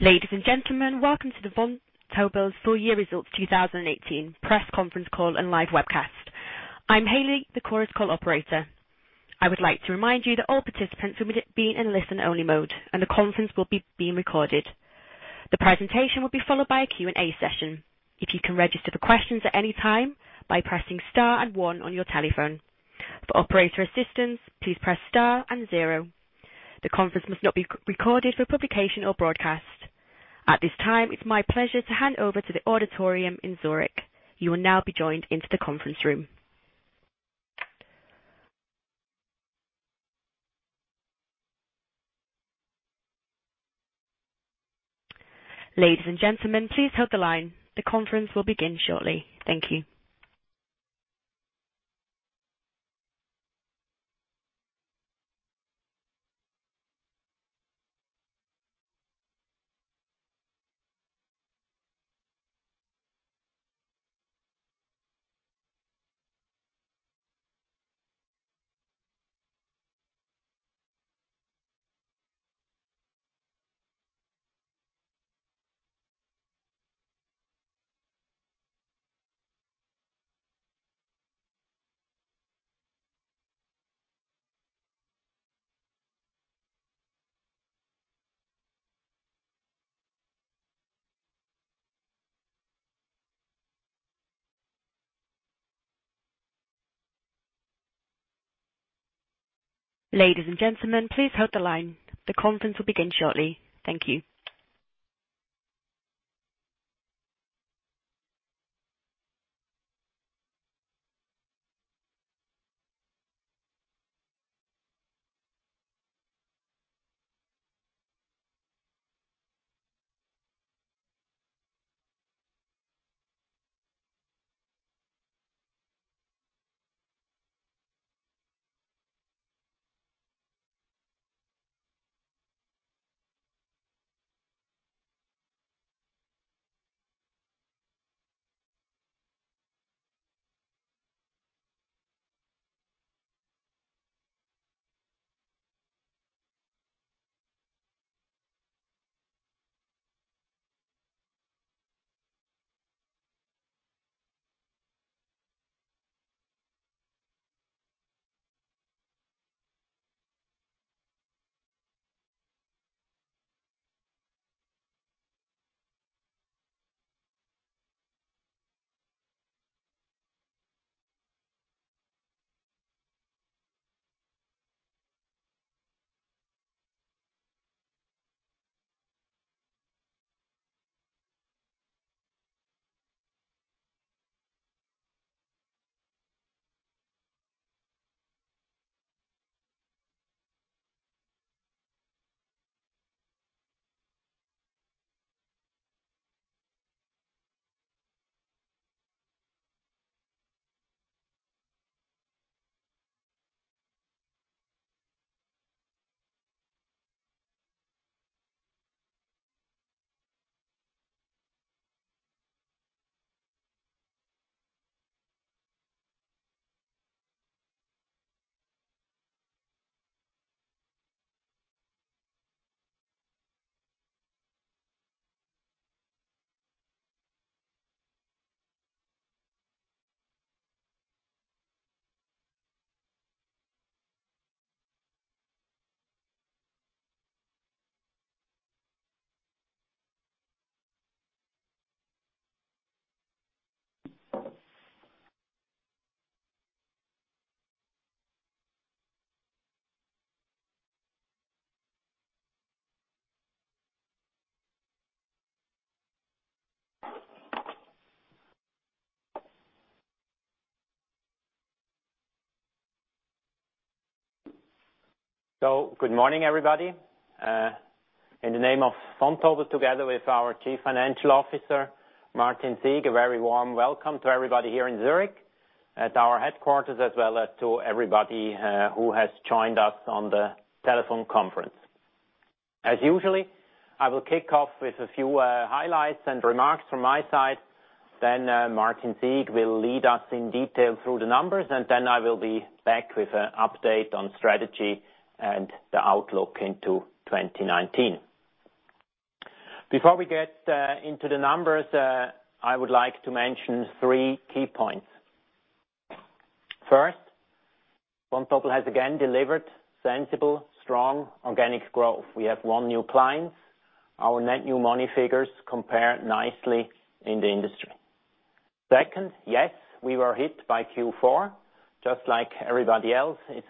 Ladies and gentlemen, welcome to Vontobel's Full Year Results 2018 Press Conference Call and Live Webcast. I am Haley, the Chorus Call operator. I would like to remind you that all participants will be in listen-only mode, and the conference will be being recorded. The presentation will be followed by a Q&A session. If you can register for questions at any time by pressing star and one on your telephone. For operator assistance, please press star and zero. The conference must not be recorded for publication or broadcast. At this time, it is my pleasure to hand over to the auditorium in Zurich. You will now be joined into the conference room. Ladies and gentlemen, please hold the line. The conference will begin shortly. Thank you. Good morning, everybody. In the name of Vontobel, together with our Chief Financial Officer, Martin Sieg, a very warm welcome to everybody here in Zurich at our headquarters, as well as to everybody who has joined us on the telephone conference. As usually, I will kick off with a few highlights and remarks from my side. Martin Sieg will lead us in detail through the numbers. I will be back with an update on strategy and the outlook into 2019. Before we get into the numbers, I would like to mention three key points. First, Vontobel has again delivered sensible, strong, organic growth. We have won new clients. Our net new money figures compare nicely in the industry. Second, yes, we were hit by Q4 just like everybody else. It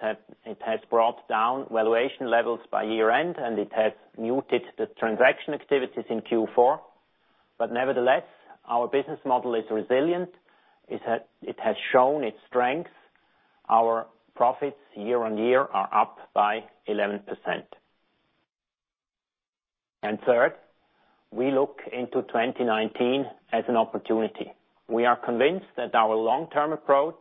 has brought down valuation levels by year-end, and it has muted the transaction activities in Q4. Nevertheless, our business model is resilient. It has shown its strength. Our profits year-over-year are up by 11%. Third, we look into 2019 as an opportunity. We are convinced that our long-term approach,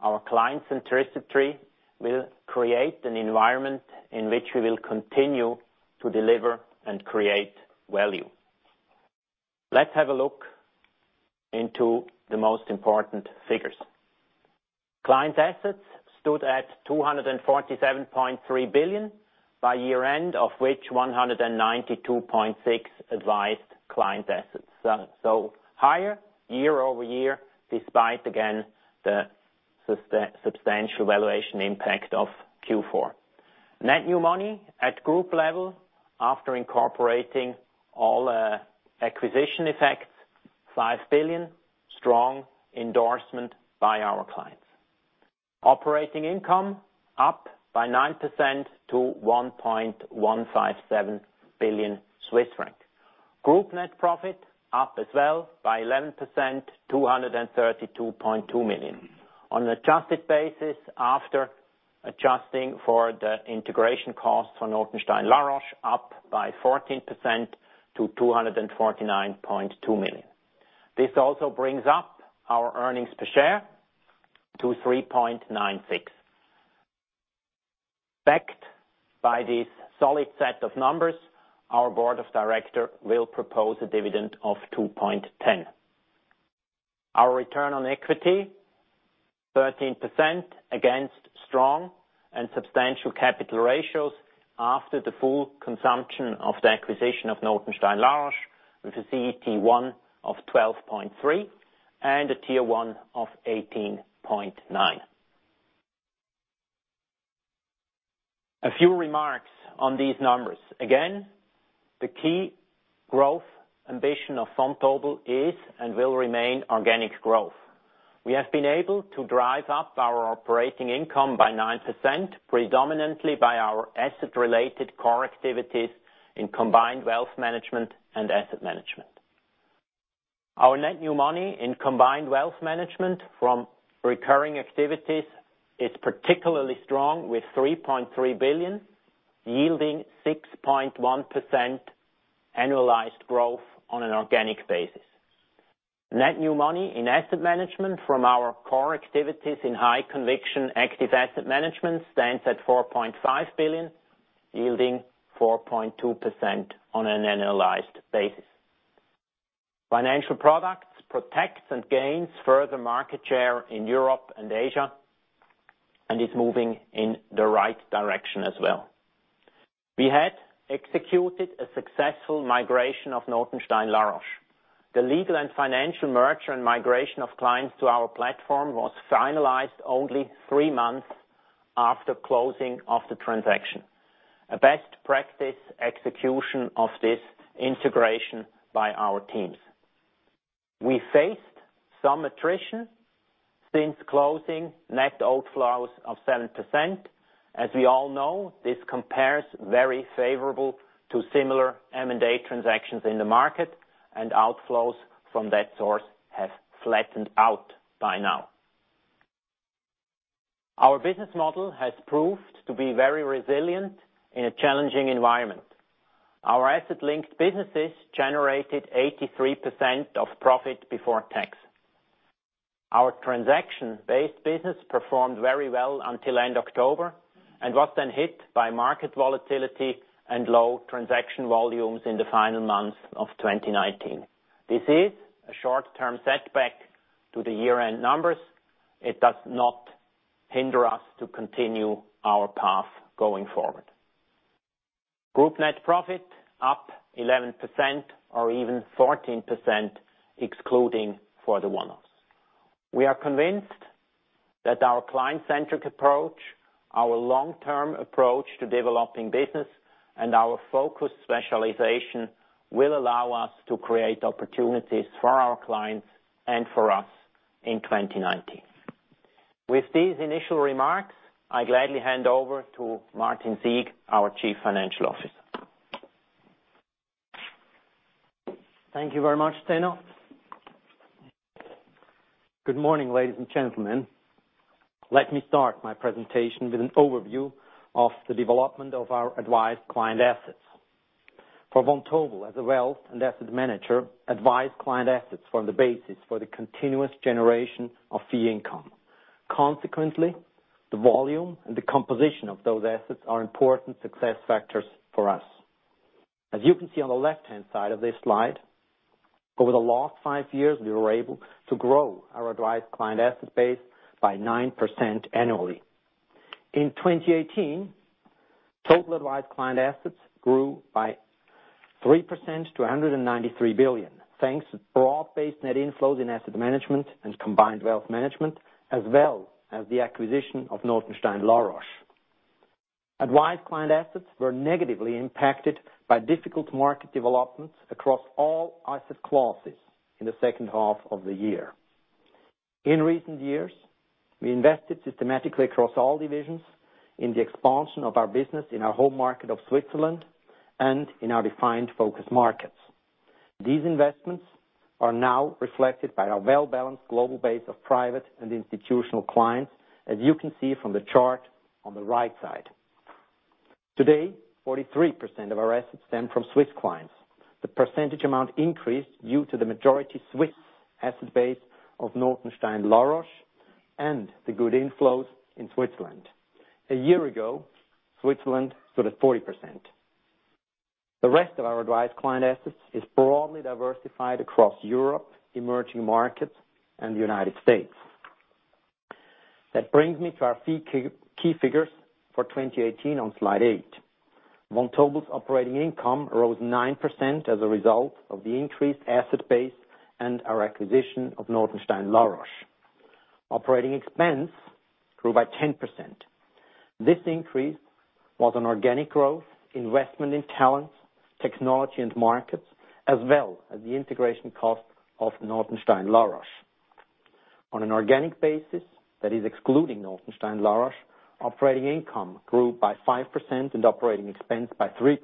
our client centricity, will create an environment in which we will continue to deliver and create value. Let us have a look into the most important figures. Client assets stood at 247.3 billion by year-end, of which 192.6 advised client assets. Higher year-over-year, despite, again, the substantial valuation impact of Q4. Net new money at group level after incorporating all acquisition effects, 5 billion, strong endorsement by our clients. Operating income up by 9% to 1.157 billion Swiss franc. Group net profit up as well by 11%, 232.2 million. On adjusted basis, after adjusting for the integration costs for Notenstein La Roche, up by 14% to 249.2 million. This also brings up our earnings per share to 3.96. Backed by this solid set of numbers, our board of director will propose a dividend of 2.10. Our return on equity, 13% against strong and substantial capital ratios after the full consumption of the acquisition of Notenstein La Roche, with a CET1 of 12.3% and a Tier 1 of 18.9%. A few remarks on these numbers. Again, the key growth ambition of Vontobel is and will remain organic growth. We have been able to drive up our operating income by 9%, predominantly by our asset-related core activities in combined wealth management and asset management. Our net new money in combined wealth management from recurring activities is particularly strong, with 3.3 billion, yielding 6.1% annualized growth on an organic basis. Net new money in asset management from our core activities in high conviction active asset management stands at 4.5 billion, yielding 4.2% on an annualized basis. Financial products protects and gains further market share in Europe and Asia and is moving in the right direction as well. We had executed a successful migration of Notenstein La Roche. The legal and financial merger and migration of clients to our platform was finalized only three months after closing of the transaction. A best practice execution of this integration by our teams. We faced some attrition since closing net outflows of 7%. As we all know, this compares very favorable to similar M&A transactions in the market, and outflows from that source have flattened out by now. Our business model has proved to be very resilient in a challenging environment. Our asset-linked businesses generated 83% of profit before tax. Our transaction-based business performed very well until end October and was then hit by market volatility and low transaction volumes in the final months of 2019. This is a short-term setback to the year-end numbers. It does not hinder us to continue our path going forward. Group net profit up 11%, or even 14%, excluding for the one-offs. We are convinced that our client-centric approach, our long-term approach to developing business, and our focused specialization will allow us to create opportunities for our clients and for us in 2019. With these initial remarks, I gladly hand over to Martin Sieg, our Chief Financial Officer. Thank you very much, Zeno. Good morning, ladies and gentlemen. Let me start my presentation with an overview of the development of our advised client assets. For Vontobel, as a wealth and asset manager, advised client assets form the basis for the continuous generation of fee income. Consequently, the volume and the composition of those assets are important success factors for us. As you can see on the left-hand side of this slide, over the last five years, we were able to grow our advised client asset base by 9% annually. In 2018, total advised client assets grew by 3% to 193 billion, thanks to broad-based net inflows in asset management and combined wealth management, as well as the acquisition of Notenstein La Roche. Advised client assets were negatively impacted by difficult market developments across all asset classes in the second half of the year. In recent years, we invested systematically across all divisions in the expansion of our business in our home market of Switzerland and in our defined focus markets. These investments are now reflected by our well-balanced global base of private and institutional clients, as you can see from the chart on the right side. Today, 43% of our assets stem from Swiss clients. The percentage amount increased due to the majority Swiss asset base of Notenstein La Roche and the good inflows in Switzerland. A year ago, Switzerland stood at 40%. The rest of our advised client assets is broadly diversified across Europe, emerging markets, and the U.S. That brings me to our key figures for 2018 on slide eight. Vontobel's operating income rose 9% as a result of the increased asset base and our acquisition of Notenstein La Roche. Operating expense grew by 10%. This increase was an organic growth, investment in talent, technology, and markets, as well as the integration cost of Notenstein La Roche. On an organic basis, that is excluding Notenstein La Roche, operating income grew by 5% and operating expense by 3%,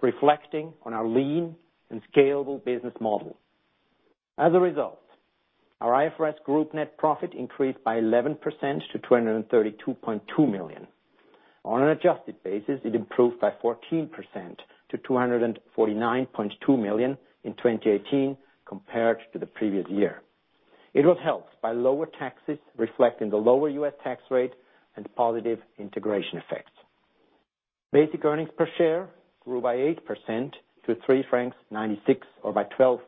reflecting on our lean and scalable business model. As a result, our IFRS group net profit increased by 11% to 232.2 million. On an adjusted basis, it improved by 14% to 249.2 million in 2018 compared to the previous year. It was helped by lower taxes, reflecting the lower U.S. tax rate and positive integration effects. Basic earnings per share grew by 8% to 3.96 francs or by 12%,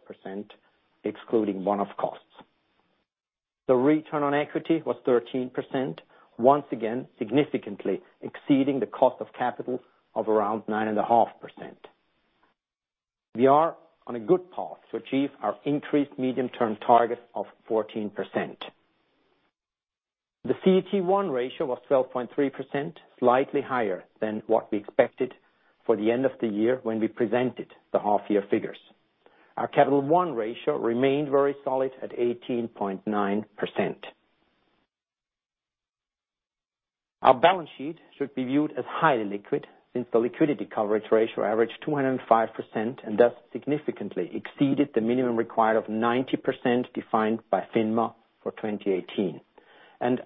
excluding one-off costs. The return on equity was 13%, once again, significantly exceeding the cost of capital of around 9.5%. We are on a good path to achieve our increased medium-term target of 14%. The CET1 ratio was 12.3%, slightly higher than what we expected for the end of the year when we presented the half-year figures. Our Tier 1 ratio remained very solid at 18.9%. Our balance sheet should be viewed as highly liquid, since the liquidity coverage ratio averaged 205% and thus significantly exceeded the minimum required of 90% defined by FINMA for 2018.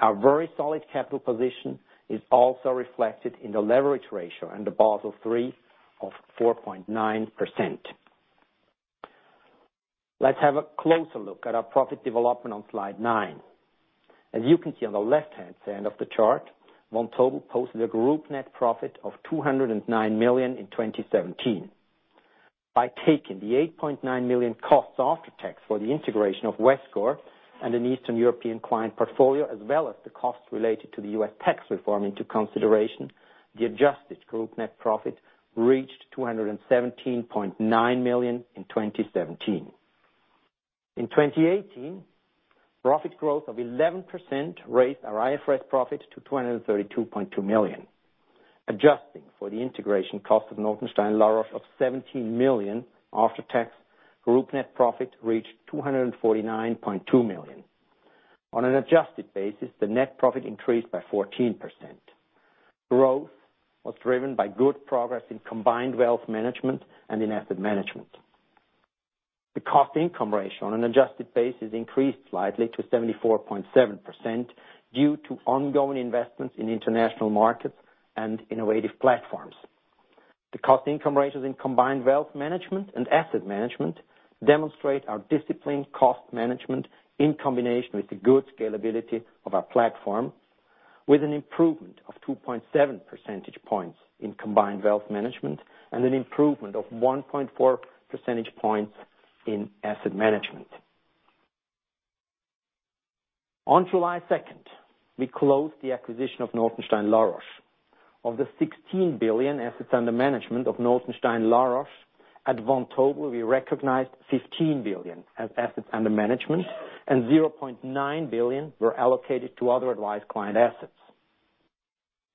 Our very solid capital position is also reflected in the leverage ratio and the Basel III of 4.9%. Let's have a closer look at our profit development on slide nine. As you can see on the left-hand side of the chart, Vontobel posted a group net profit of 209 million in 2017. By taking the 8.9 million costs after tax for the integration of Vescore and an Eastern European client portfolio, as well as the costs related to the U.S. tax reform into consideration, the adjusted group net profit reached 217.9 million in 2017. In 2018, profit growth of 11% raised our IFRS profit to 232.2 million. Adjusting for the integration cost of Notenstein La Roche of 17 million after tax, group net profit reached 249.2 million. On an adjusted basis, the net profit increased by 14%. Growth was driven by good progress in combined wealth management and in asset management. The cost-income ratio on an adjusted basis increased slightly to 74.7% due to ongoing investments in international markets and innovative platforms. The cost-income ratios in combined wealth management and asset management demonstrate our disciplined cost management in combination with the good scalability of our platform, with an improvement of 2.7 percentage points in combined wealth management and an improvement of 1.4 percentage points in asset management. On July 2nd, we closed the acquisition of Notenstein La Roche. Of the 16 billion assets under management of Notenstein La Roche, at Vontobel, we recognized 15 billion as assets under management, and 0.9 billion were allocated to other advised client assets.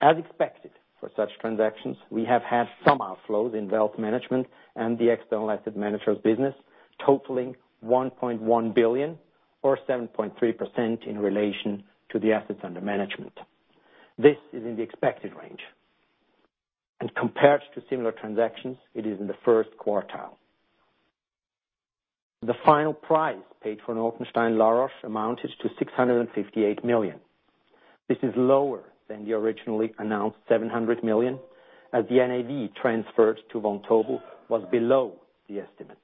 As expected for such transactions, we have had some outflows in wealth management and the external asset managers business totaling 1.1 billion or 7.3% in relation to the assets under management. This is in the expected range. Compared to similar transactions, it is in the first quartile. The final price paid for Notenstein La Roche amounted to 658 million. This is lower than the originally announced 700 million, as the NAV transferred to Vontobel was below the estimate.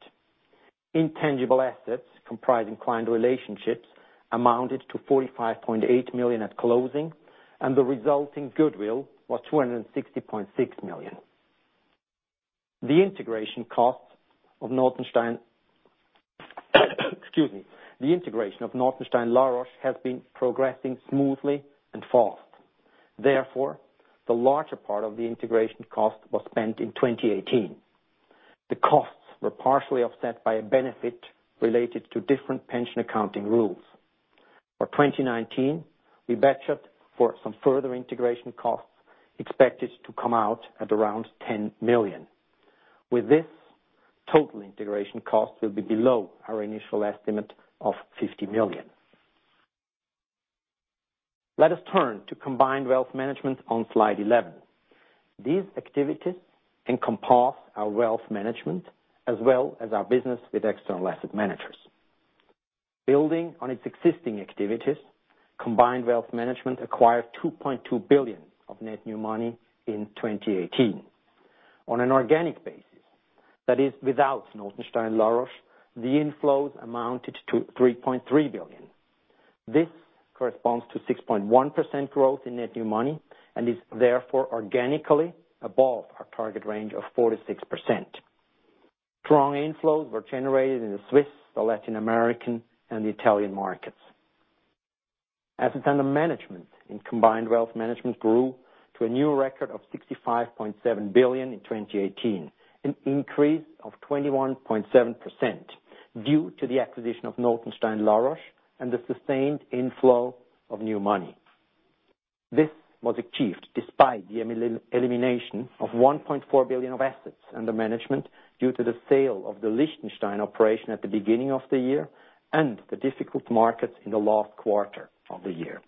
Intangible assets comprising client relationships amounted to 45.8 million at closing, and the resulting goodwill was 260.6 million. The integration costs of Notenstein La Roche. The integration of Notenstein La Roche has been progressing smoothly and fast. Therefore, the larger part of the integration cost was spent in 2018. The costs were partially offset by a benefit related to different pension accounting rules. For 2019, we budget for some further integration costs expected to come out at around 10 million. With this, total integration costs will be below our initial estimate of 50 million. Let us turn to combined wealth management on slide 11. These activities encompass our wealth management as well as our business with external asset managers. Building on its existing activities, combined wealth management acquired 2.2 billion of net new money in 2018. On an organic basis, that is without Notenstein La Roche, the inflows amounted to 3.3 billion. This corresponds to 6.1% growth in net new money, and is therefore organically above our target range of 4%-6%. Strong inflows were generated in the Swiss, the Latin American, and the Italian markets. Assets under management in combined wealth management grew to a new record of CHF 65.7 billion in 2018, an increase of 21.7% due to the acquisition of Notenstein La Roche and the sustained inflow of new money. This was achieved despite the elimination of 1.4 billion of assets under management due to the sale of the Liechtenstein operation at the beginning of the year, and the difficult markets in the last quarter of the year.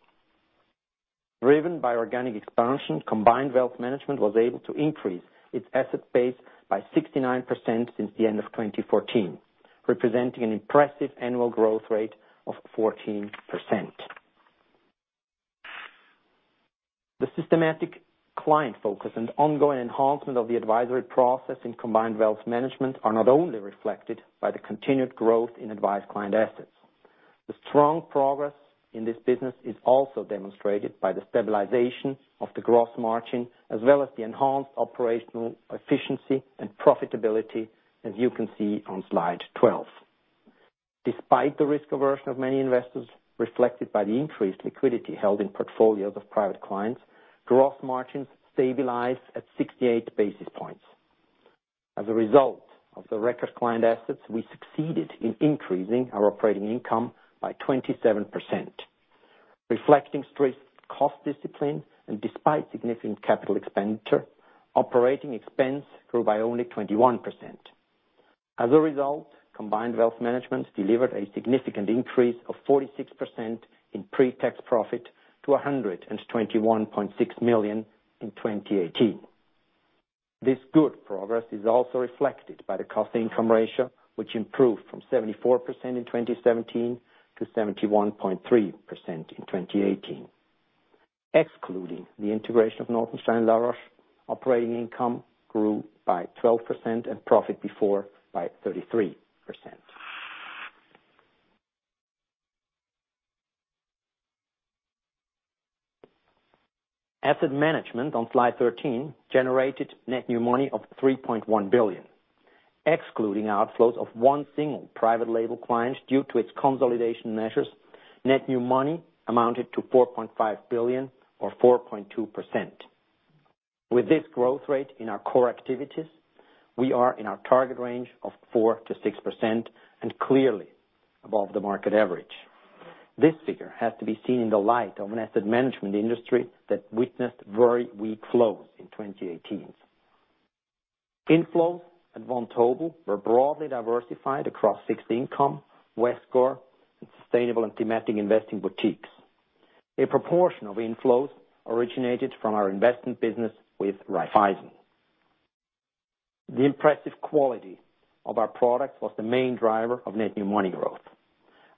Driven by organic expansion, combined wealth management was able to increase its asset base by 69% since the end of 2014, representing an impressive annual growth rate of 14%. The systematic client focus and ongoing enhancement of the advisory process in combined wealth management are not only reflected by the continued growth in advised client assets. The strong progress in this business is also demonstrated by the stabilization of the gross margin, as well as the enhanced operational efficiency and profitability as you can see on slide 12. Despite the risk aversion of many investors reflected by the increased liquidity held in portfolios of private clients, gross margins stabilized at 68 basis points. As a result of the record client assets, we succeeded in increasing our operating income by 27%. Reflecting strict cost discipline and despite significant capital expenditure, operating expense grew by only 21%. As a result, combined wealth management delivered a significant increase of 46% in pre-tax profit to 121.6 million in 2018. This good progress is also reflected by the cost-income ratio, which improved from 74% in 2017 to 71.3% in 2018. Excluding the integration of Notenstein La Roche, operating income grew by 12% and profit before by 33%. Asset management, on slide 13, generated net new money of 3.1 billion. Excluding outflows of one single private label client due to its consolidation measures, net new money amounted to 4.5 billion or 4.2%. With this growth rate in our core activities, we are in our target range of 4%-6% and clearly above the market average. This figure has to be seen in the light of an asset management industry that witnessed very weak flows in 2018. Inflows at Vontobel were broadly diversified across fixed income, Vescore, and sustainable and thematic investing boutiques. A proportion of inflows originated from our investment business with Raiffeisen. The impressive quality of our products was the main driver of net new money growth.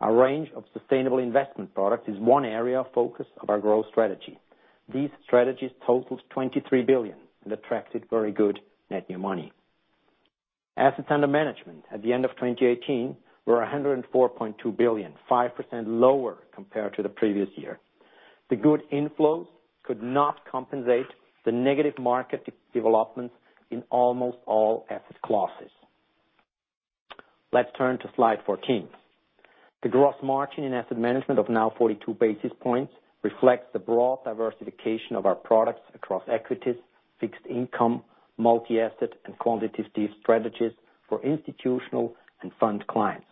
Our range of sustainable investment products is one area of focus of our growth strategy. These strategies total 23 billion and attracted very good net new money. Assets under management at the end of 2018 were 104.2 billion, 5% lower compared to the previous year. The good inflows could not compensate the negative market developments in almost all asset classes. Let's turn to slide 14. The gross margin in asset management of now 42 basis points reflects the broad diversification of our products across equities, fixed income, multi-asset, and quantitative strategies for institutional and fund clients.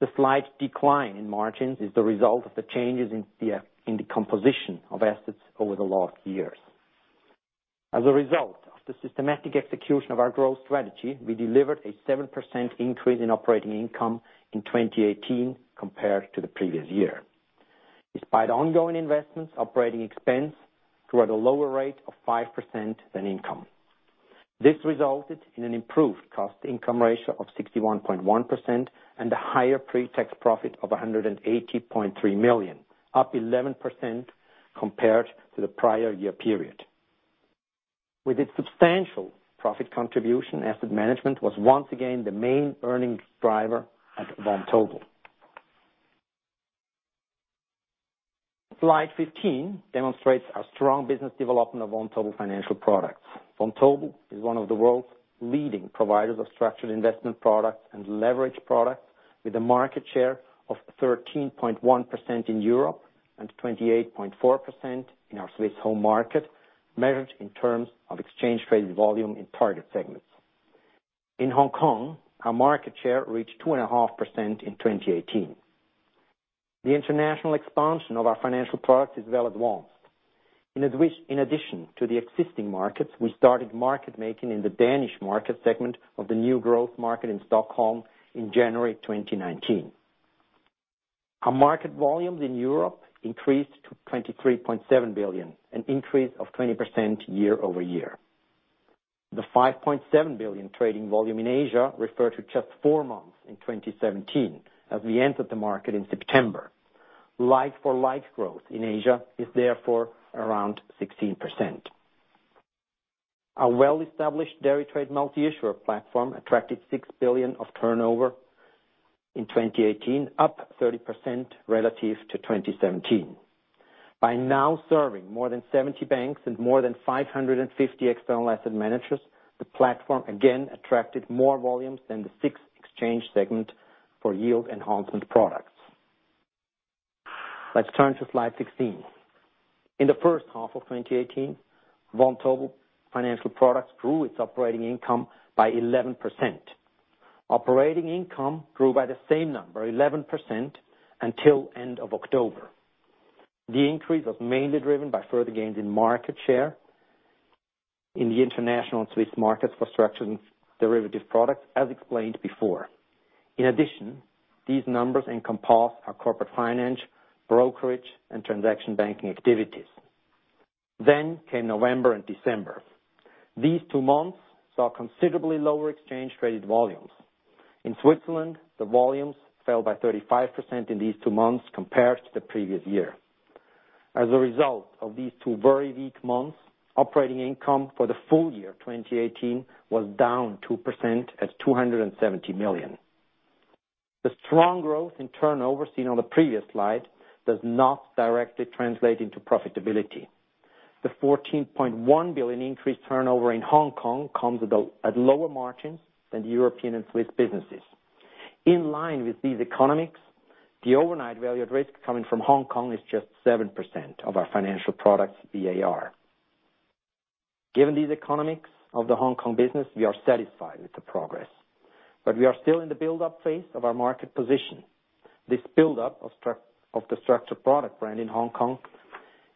The slight decline in margins is the result of the changes in the composition of assets over the last years. As a result of the systematic execution of our growth strategy, we delivered a 7% increase in operating income in 2018 compared to the previous year. Despite ongoing investments, operating expense grew at a lower rate of 5% than income. This resulted in an improved cost-income ratio of 61.1% and a higher pre-tax profit of 180.3 million, up 11% compared to the prior year period. With its substantial profit contribution, asset management was once again the main earnings driver at Vontobel. Slide 15 demonstrates our strong business development of Vontobel Financial Products. Vontobel is one of the world's leading providers of structured investment products and leverage products with a market share of 13.1% in Europe and 28.4% in our Swiss home market, measured in terms of exchange traded volume in target segments. In Hong Kong, our market share reached 2.5% in 2018. The international expansion of our financial products is well advanced. In addition to the existing markets, we started market making in the Danish market segment of the new growth market in Stockholm in January 2019. Our market volumes in Europe increased to 23.7 billion, an increase of 20% year-over-year. The 5.7 billion trading volume in Asia refers to just four months in 2017, as we entered the market in September. Like-for-like growth in Asia is therefore around 16%. Our well-established deritrade multi-issuer platform attracted 6 billion of turnover in 2018, up 30% relative to 2017. By now serving more than 70 banks and more than 550 external asset managers, the platform again attracted more volumes than the six exchange segments for yield enhancement products. Let's turn to slide 16. In the first half of 2018, Vontobel Financial Products grew its operating income by 11%. Operating income grew by the same number, 11%, until end of October. The increase was mainly driven by further gains in market share in the international and Swiss markets for structured derivative products, as explained before. In addition, these numbers encompass our corporate finance, brokerage, and transaction banking activities. Came November and December. These two months saw considerably lower exchange traded volumes. In Switzerland, the volumes fell by 35% in these two months compared to the previous year. As a result of these two very weak months, operating income for the full year 2018 was down 2% at 270 million. The strong growth in turnover seen on the previous slide does not directly translate into profitability. The 14.1 billion increase turnover in Hong Kong comes at lower margins than the European and Swiss businesses. In line with these economics, the overnight value at risk coming from Hong Kong is just 7% of our financial products VAR. Given these economics of the Hong Kong business, we are satisfied with the progress, but we are still in the build-up phase of our market position. This build-up of the structured product brand in Hong Kong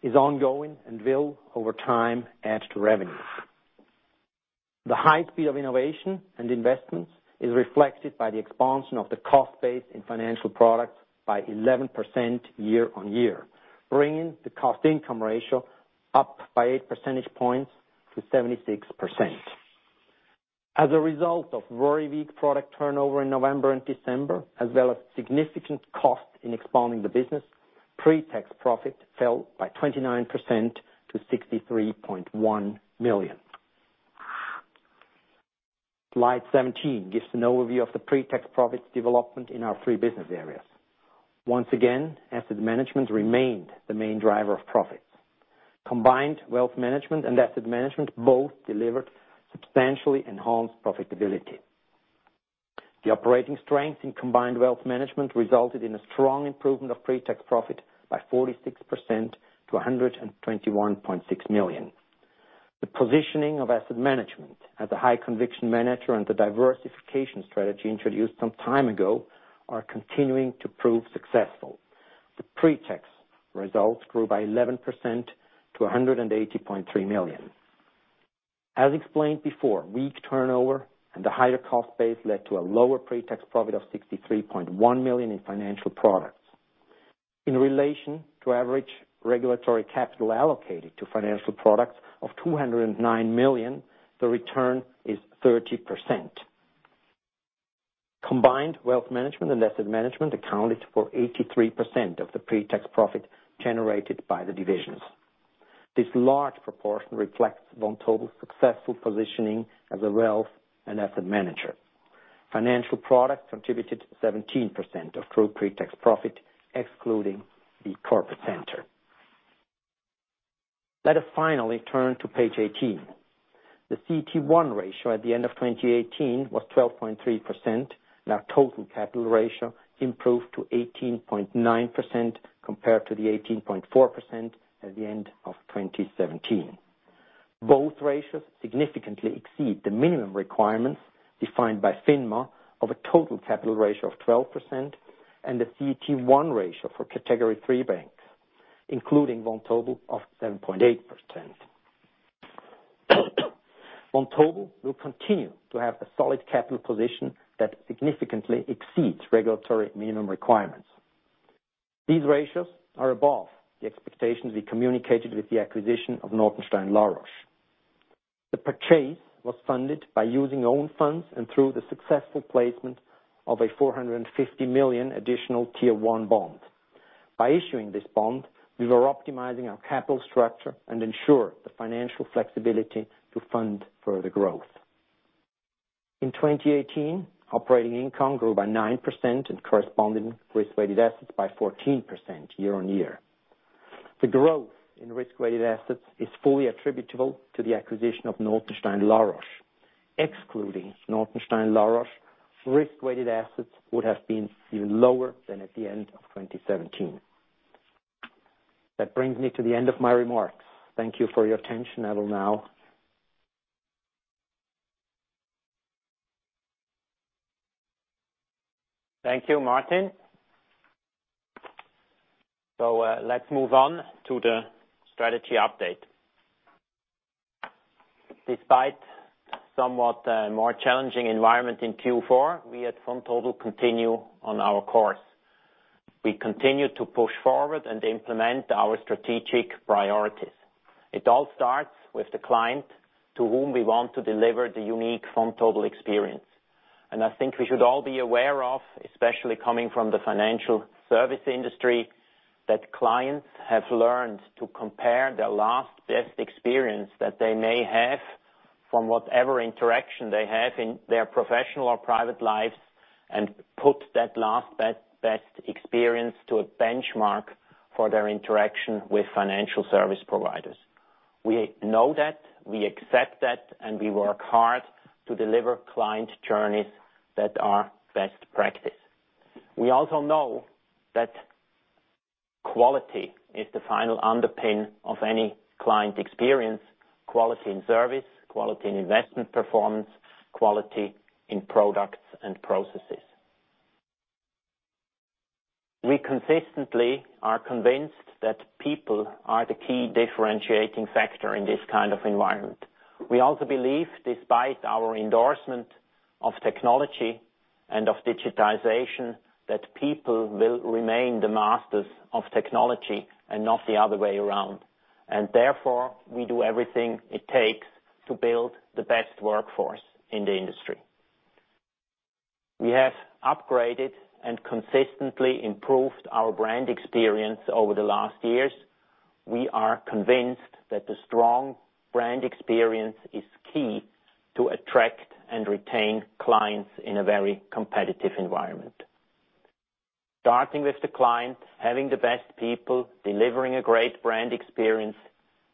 is ongoing and will, over time, add to revenue. The high speed of innovation and investments is reflected by the expansion of the cost base in financial products by 11% year-on-year, bringing the cost-income ratio up by eight percentage points to 76%. As a result of very weak product turnover in November and December, as well as significant cost in expanding the business, pre-tax profit fell by 29% to 63.1 million. Slide 17 gives an overview of the pre-tax profits development in our three business areas. Once again, asset management remained the main driver of profits. Combined wealth management and asset management both delivered substantially enhanced profitability. The operating strength in combined wealth management resulted in a strong improvement of pre-tax profit by 46% to 121.6 million. The positioning of asset management as a high conviction manager and the diversification strategy introduced some time ago are continuing to prove successful. The pre-tax results grew by 11% to 180.3 million. As explained before, weak turnover and the higher cost base led to a lower pre-tax profit of 63.1 million in financial products. In relation to average regulatory capital allocated to financial products of 209 million, the return is 30%. Combined wealth management and asset management accounted for 83% of the pre-tax profit generated by the divisions. This large proportion reflects Vontobel's successful positioning as a wealth and asset manager. Financial products contributed 17% of group pre-tax profit excluding the corporate center. Let us finally turn to page 18. The CET1 ratio at the end of 2018 was 12.3%, and our total capital ratio improved to 18.9% compared to the 18.4% at the end of 2017. Both ratios significantly exceed the minimum requirements defined by FINMA of a total capital ratio of 12% and a CET1 ratio for category three banks, including Vontobel of 7.8%. Vontobel will continue to have a solid capital position that significantly exceeds regulatory minimum requirements. These ratios are above the expectations we communicated with the acquisition of Notenstein La Roche. The purchase was funded by using own funds and through the successful placement of a 450 million additional Tier 1 bond. By issuing this bond, we were optimizing our capital structure and ensure the financial flexibility to fund further growth. In 2018, operating income grew by 9% in corresponding risk-weighted assets by 14% year-on-year. The growth in risk-weighted assets is fully attributable to the acquisition of Notenstein La Roche. Excluding Notenstein La Roche, risk-weighted assets would have been even lower than at the end of 2017. That brings me to the end of my remarks. Thank you for your attention until now. Thank you, Martin. Let's move on to the strategy update. Despite somewhat more challenging environment in Q4, we at Vontobel continue on our course. We continue to push forward and implement our strategic priorities. It all starts with the client to whom we want to deliver the unique Vontobel experience. I think we should all be aware of, especially coming from the financial services industry, that clients have learned to compare their last best experience that they may have from whatever interaction they have in their professional or private lives, and put that last best experience to a benchmark for their interaction with financial services providers. We know that, we accept that, and we work hard to deliver client journeys that are best practice. We also know that quality is the final underpin of any client experience, quality in service, quality in investment performance, quality in products and processes. We consistently are convinced that people are the key differentiating factor in this kind of environment. We also believe, despite our endorsement of technology and of digitization, that people will remain the masters of technology and not the other way around. Therefore, we do everything it takes to build the best workforce in the industry. We have upgraded and consistently improved our brand experience over the last years. We are convinced that the strong brand experience is key to attract and retain clients in a very competitive environment. Starting with the client, having the best people, delivering a great brand experience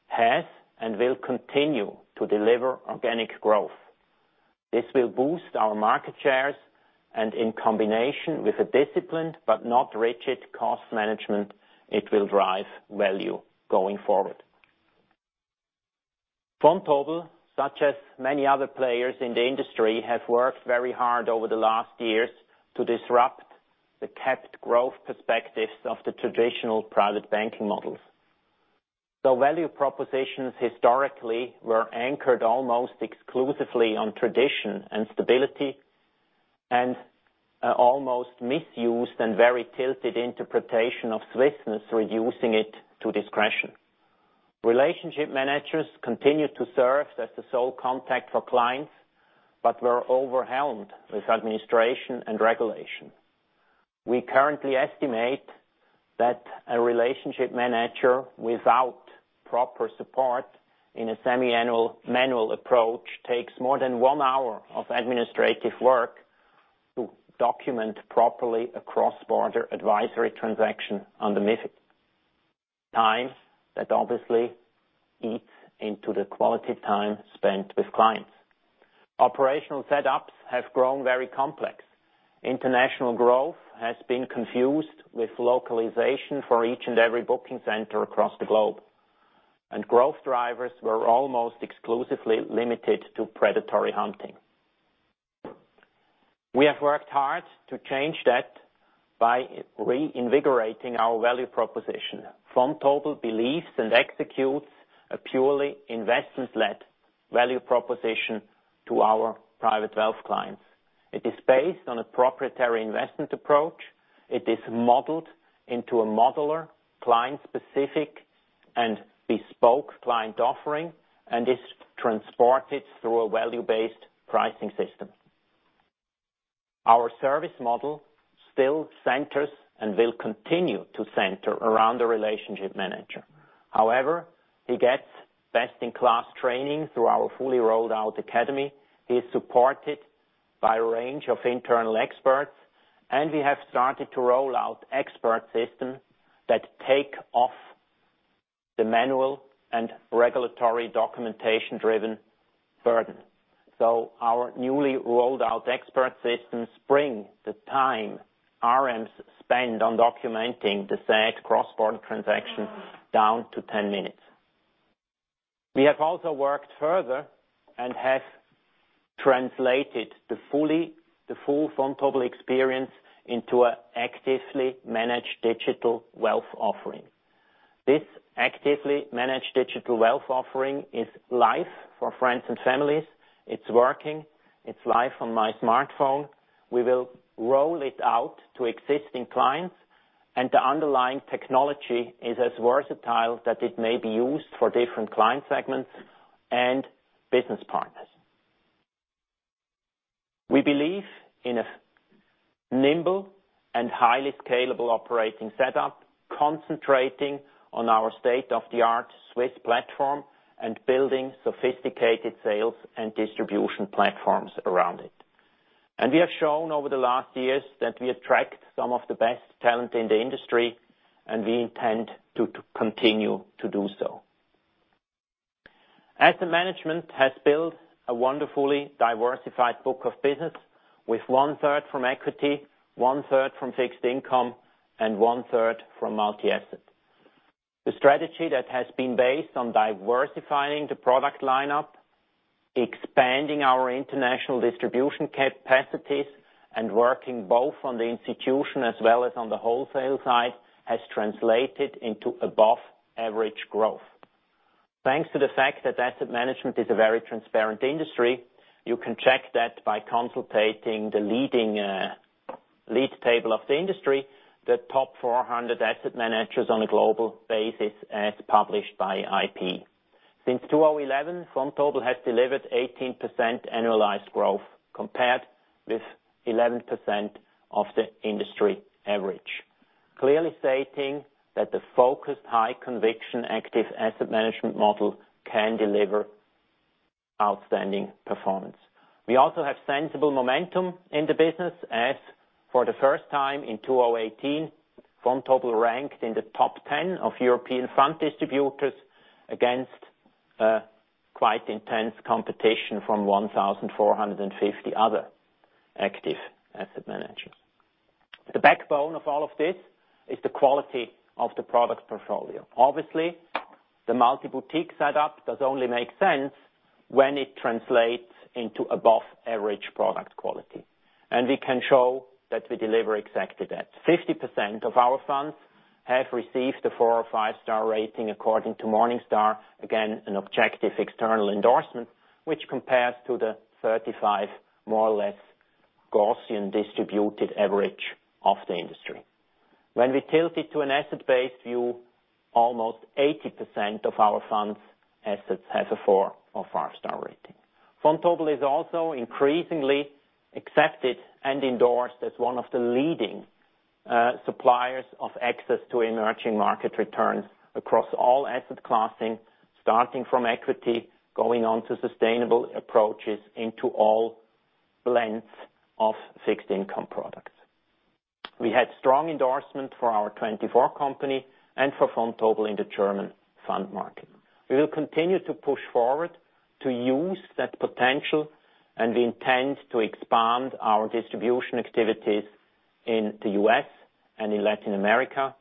has and will continue to deliver organic growth. This will boost our market shares and in combination with a disciplined but not rigid cost management, it will drive value going forward. Vontobel, such as many other players in the industry, have worked very hard over the last years to disrupt the capped growth perspectives of the traditional private banking models. Value propositions historically were anchored almost exclusively on tradition and stability, and almost misused and very tilted interpretation of Swissness, reducing it to discretion. Relationship managers continued to serve as the sole contact for clients, but were overwhelmed with administration and regulation. We currently estimate that a relationship manager without proper support in a semiannual manual approach takes more than one hour of administrative work to document properly a cross-border advisory transaction on the MiFID. Time that obviously eats into the quality time spent with clients. Operational setups have grown very complex. International growth has been confused with localization for each and every booking center across the globe. Growth drivers were almost exclusively limited to predatory hunting. We have worked hard to change that by reinvigorating our value proposition. Vontobel believes and executes a purely investment-led value proposition to our private wealth clients. It is based on a proprietary investment approach. It is modeled into a modular, client-specific, and bespoke client offering, and is transported through a value-based pricing system. Our service model still centers and will continue to center around the relationship manager. However, he gets best-in-class training through our fully rolled out academy. He is supported by a range of internal experts, and we have started to roll out expert systems that take off the manual and regulatory documentation-driven burden. Our newly rolled out expert systems bring the time RMs spend on documenting the said cross-border transaction down to 10 minutes. We have also worked further and have translated the full Vontobel experience into an actively managed digital wealth offering. This actively managed digital wealth offering is live for friends and families. It's working. It's live on my smartphone. The underlying technology is as versatile that it may be used for different client segments and business partners. We believe in a nimble and highly scalable operating setup, concentrating on our state-of-the-art Swiss platform and building sophisticated sales and distribution platforms around it. We have shown over the last years that we attract some of the best talent in the industry, and we intend to continue to do so. Asset management has built a wonderfully diversified book of business with 1/3 from equity, 1/3 from fixed income, and 1/3 from multi-asset. The strategy that has been based on diversifying the product lineup, expanding our international distribution capacities, and working both on the institution as well as on the wholesale side, has translated into above-average growth. Thanks to the fact that asset management is a very transparent industry, you can check that by consulting the leading lead table of the industry, the top 400 asset managers on a global basis as published by IPE. Since 2011, Vontobel has delivered 18% annualized growth, compared with 11% of the industry average. Clearly stating that the focused high conviction active asset management model can deliver outstanding performance. We also have sensible momentum in the business as for the first time in 2018, Vontobel ranked in the top 10 of European fund distributors against quite intense competition from 1,450 other active asset managers. The backbone of all of this is the quality of the product portfolio. Obviously, the multi-boutique setup does only make sense when it translates into above average product quality. We can show that we deliver exactly that. 50% of our funds have received a four or five-star rating according to Morningstar. Again, an objective external endorsement, which compares to the 35 more or less Gaussian distributed average of the industry. When we tilt it to an asset base view, almost 80% of our funds assets has a four or five-star rating. Vontobel is also increasingly accepted and endorsed as one of the leading suppliers of access to emerging market returns across all asset classes, starting from equity, going on to sustainable approaches into all blends of fixed income products. We had strong endorsement for our TwentyFour Asset Management and for Vontobel in the German fund market. We will continue to push forward to use that potential. We intend to expand our distribution activities in the U.S. and in Latin America.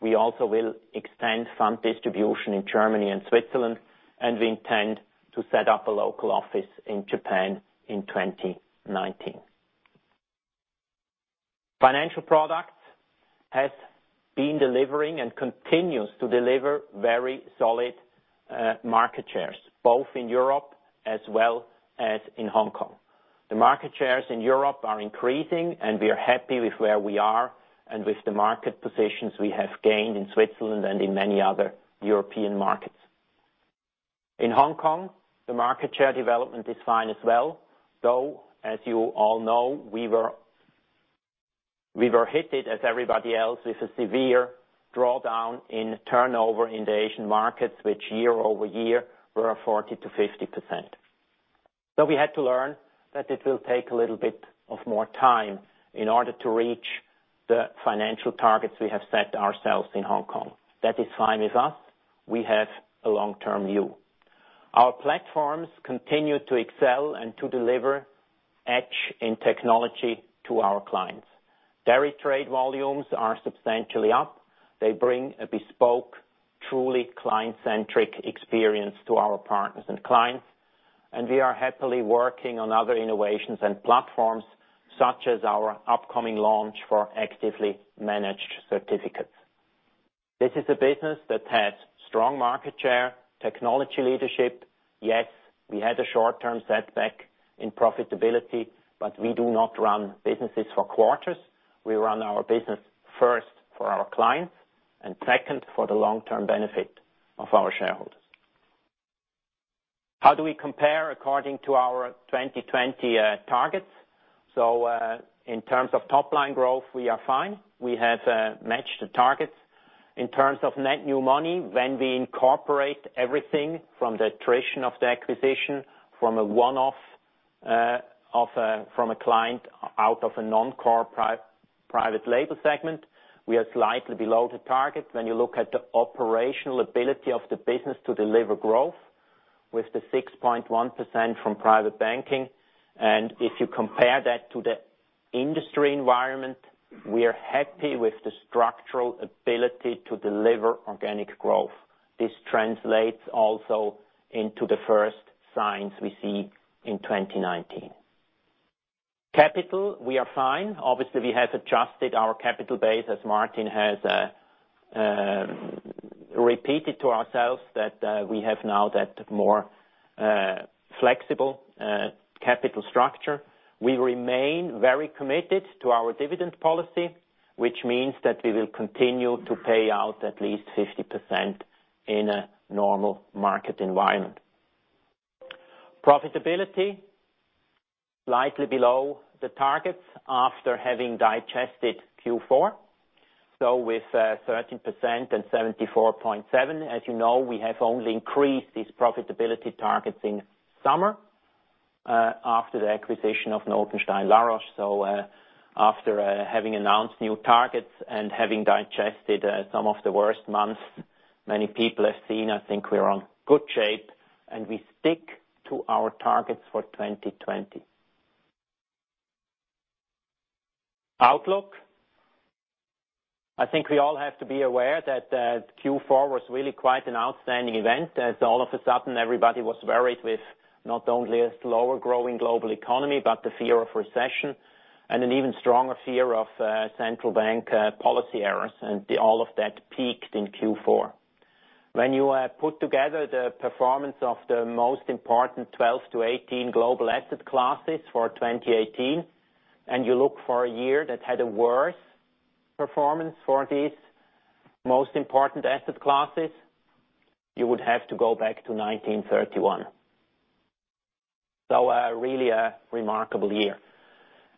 We also will extend fund distribution in Germany and Switzerland. We intend to set up a local office in Japan in 2019. Vontobel Financial Products has been delivering and continues to deliver very solid market shares, both in Europe as well as in Hong Kong. The market shares in Europe are increasing. We are happy with where we are and with the market positions we have gained in Switzerland and in many other European markets. In Hong Kong, the market share development is fine as well, though, as you all know, we were hit as everybody else with a severe drawdown in turnover in the Asian markets, which year-over-year were 40%-50%. We had to learn that it will take a little bit of more time in order to reach the financial targets we have set ourselves in Hong Kong. That is fine with us. We have a long-term view. Our platforms continue to excel and to deliver edge in technology to our clients. deritrade volumes are substantially up. They bring a bespoke, truly client-centric experience to our partners and clients, and we are happily working on other innovations and platforms, such as our upcoming launch for actively managed certificates. This is a business that has strong market share, technology leadership. Yes, we had a short-term setback in profitability, but we do not run businesses for quarters. We run our business first for our clients, and second for the long-term benefit of our shareholders. How do we compare according to our 2020 targets? In terms of top line growth, we are fine. We have matched the targets. In terms of net new money, when we incorporate everything from the attrition of the acquisition from a one-off from a client out of a non-core private label segment, we are slightly below the target. When you look at the operational ability of the business to deliver growth with the 6.1% from private banking, and if you compare that to the industry environment, we are happy with the structural ability to deliver organic growth. This translates also into the first signs we see in 2019. Capital, we are fine. Obviously, we have adjusted our capital base as Martin has repeated to ourselves that we have now that more flexible capital structure. We remain very committed to our dividend policy, which means that we will continue to pay out at least 50% in a normal market environment. Profitability, slightly below the targets after having digested Q4. With 13% and 74.7%, as you know, we have only increased these profitability targets in summer, after the acquisition of Notenstein La Roche. After having announced new targets and having digested some of the worst months many people have seen, I think we are on good shape, and we stick to our targets for 2020. Outlook, I think we all have to be aware that Q4 was really quite an outstanding event, as all of a sudden everybody was worried with not only a slower growing global economy, but the fear of recession and an even stronger fear of central bank policy errors, and all of that peaked in Q4. When you put together the performance of the most important 12-18 global asset classes for 2018, and you look for a year that had a worse performance for these most important asset classes, you would have to go back to 1931. A really remarkable year.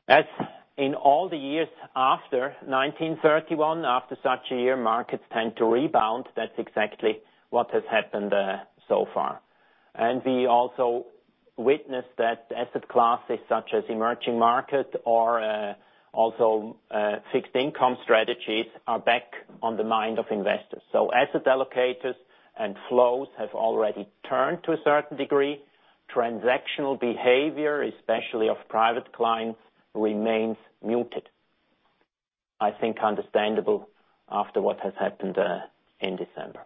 As in all the years after 1931, after such a year, markets tend to rebound. That's exactly what has happened so far. We also witnessed that asset classes such as emerging market or also fixed income strategies are back on the mind of investors. Asset allocators and flows have already turned to a certain degree. Transactional behavior, especially of private clients, remains muted. I think understandable after what has happened in December.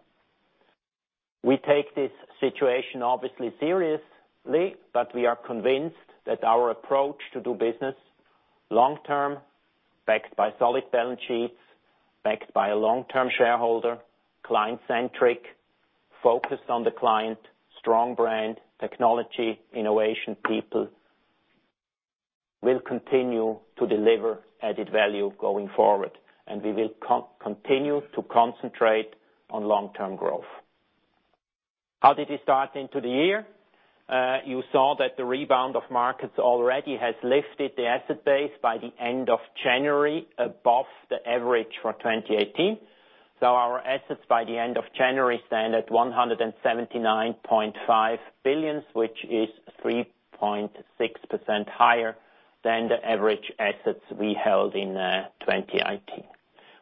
We take this situation obviously seriously. We are convinced that our approach to do business long-term, backed by solid balance sheets, backed by a long-term shareholder, client-centric, focused on the client, strong brand, technology, innovation people, will continue to deliver added value going forward, and we will continue to concentrate on long-term growth. How did we start into the year? You saw that the rebound of markets already has lifted the asset base by the end of January above the average for 2018. Our assets by the end of January stand at 179.5 billion, which is 3.6% higher than the average assets we held in 2018.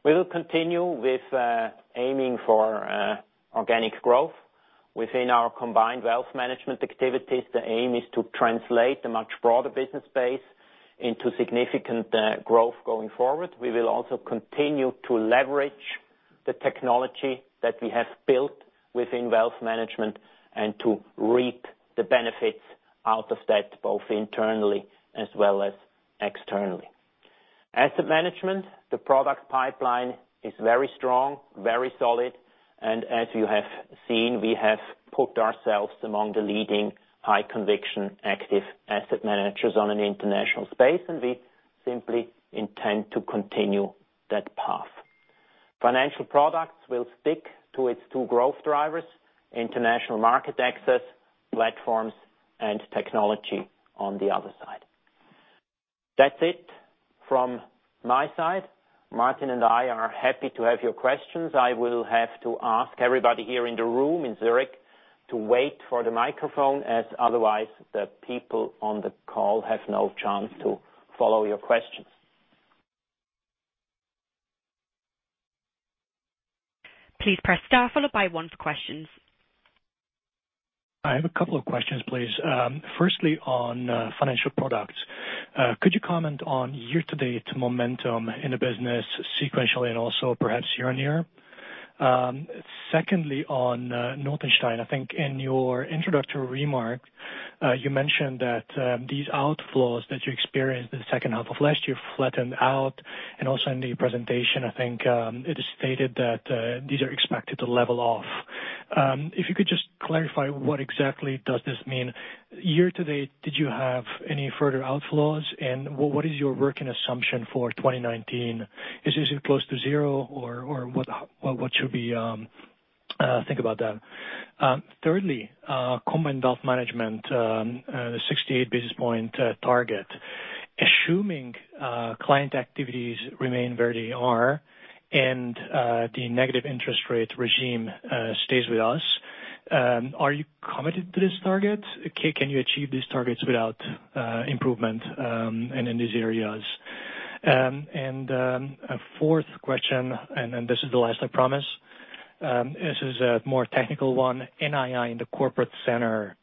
We will continue with aiming for organic growth within our combined wealth management activities. The aim is to translate the much broader business base into significant growth going forward. We will also continue to leverage the technology that we have built within wealth management and to reap the benefits out of that, both internally as well as externally. Asset management, the product pipeline is very strong, very solid. As you have seen, we have put ourselves among the leading high-conviction active asset managers on an international space, and we simply intend to continue that path. Financial products will stick to its two growth drivers, international market access platforms and technology on the other side. That's it from my side. Martin and I are happy to have your questions. I will have to ask everybody here in the room in Zurich to wait for the microphone as otherwise, the people on the call have no chance to follow your questions. Please press star followed by one for questions. I have a couple of questions, please. Firstly, on financial products. Could you comment on year-to-date momentum in the business sequentially and also perhaps year-on-year? Secondly, on Notenstein La Roche. I think in your introductory remarks, you mentioned that these outflows that you experienced in the second half of last year flattened out, and also in the presentation, I think it is stated that these are expected to level off. If you could just clarify what exactly does this mean. Year to date, did you have any further outflows and what is your working assumption for 2019? Is this close to zero or what should we think about that? Thirdly, combined wealth management, the 68 basis point target. Assuming client activities remain where they are and the negative interest rate regime stays with us, are you committed to this target? Can you achieve these targets without improvement and in these areas? A fourth question, this is the last, I promise. This is a more technical one. NII in the corporate center.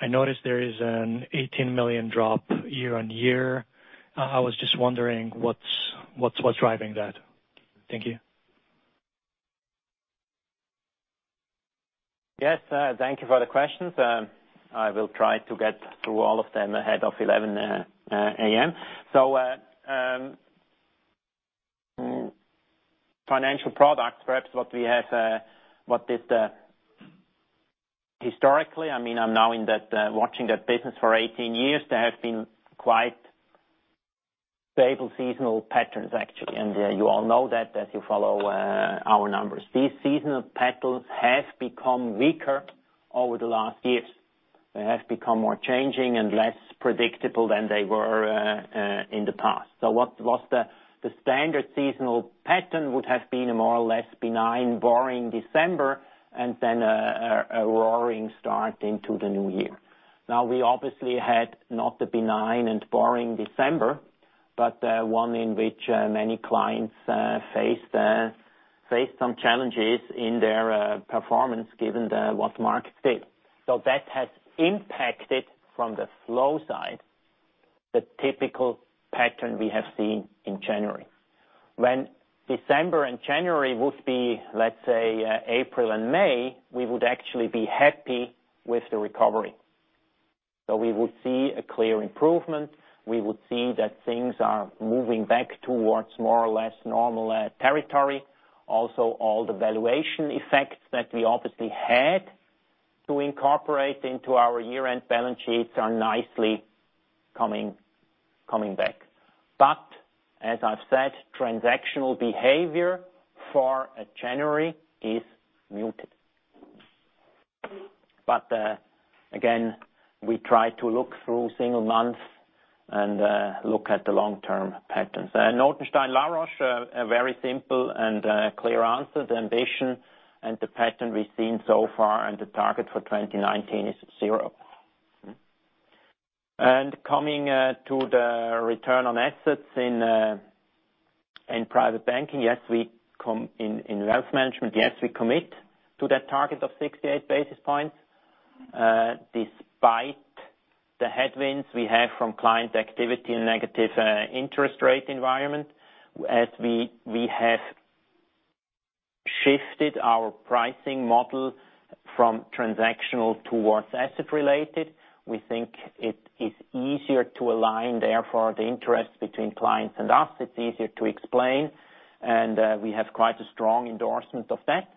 I noticed there is a 18 million drop year-on-year. I was just wondering what's driving that? Thank you. Yes. Thank you for the questions. I will try to get through all of them ahead of 11:00 A.M. Financial products, perhaps what we did historically, I mean, I'm now in that watching that business for 18 years, there have been quite stable seasonal patterns, actually. You all know that as you follow our numbers. These seasonal patterns have become weaker over the last years. They have become more changing and less predictable than they were in the past. What was the standard seasonal pattern would have been a more or less benign, boring December and then a roaring start into the new year. Now, we obviously had not the benign and boring December, but one in which many clients faced some challenges in their performance given what markets did. That has impacted from the flow side, the typical pattern we have seen in January. When December and January would be, let's say, April and May, we would actually be happy with the recovery. We will see a clear improvement. We will see that things are moving back towards more or less normal territory. Also, all the valuation effects that we obviously had to incorporate into our year-end balance sheets are nicely coming back. As I've said, transactional behavior for January is muted. Again, we try to look through single months and look at the long-term patterns. Notenstein La Roche, a very simple and clear answer. The ambition and the pattern we've seen so far and the target for 2019 is zero. Coming to the return on assets in private banking, in wealth management, yes, we commit to that target of 68 basis points. Despite the headwinds we have from client activity and negative interest rate environment, as we have shifted our pricing model from transactional towards asset related, we think it is easier to align therefore the interest between clients and us. It's easier to explain. We have quite a strong endorsement of that.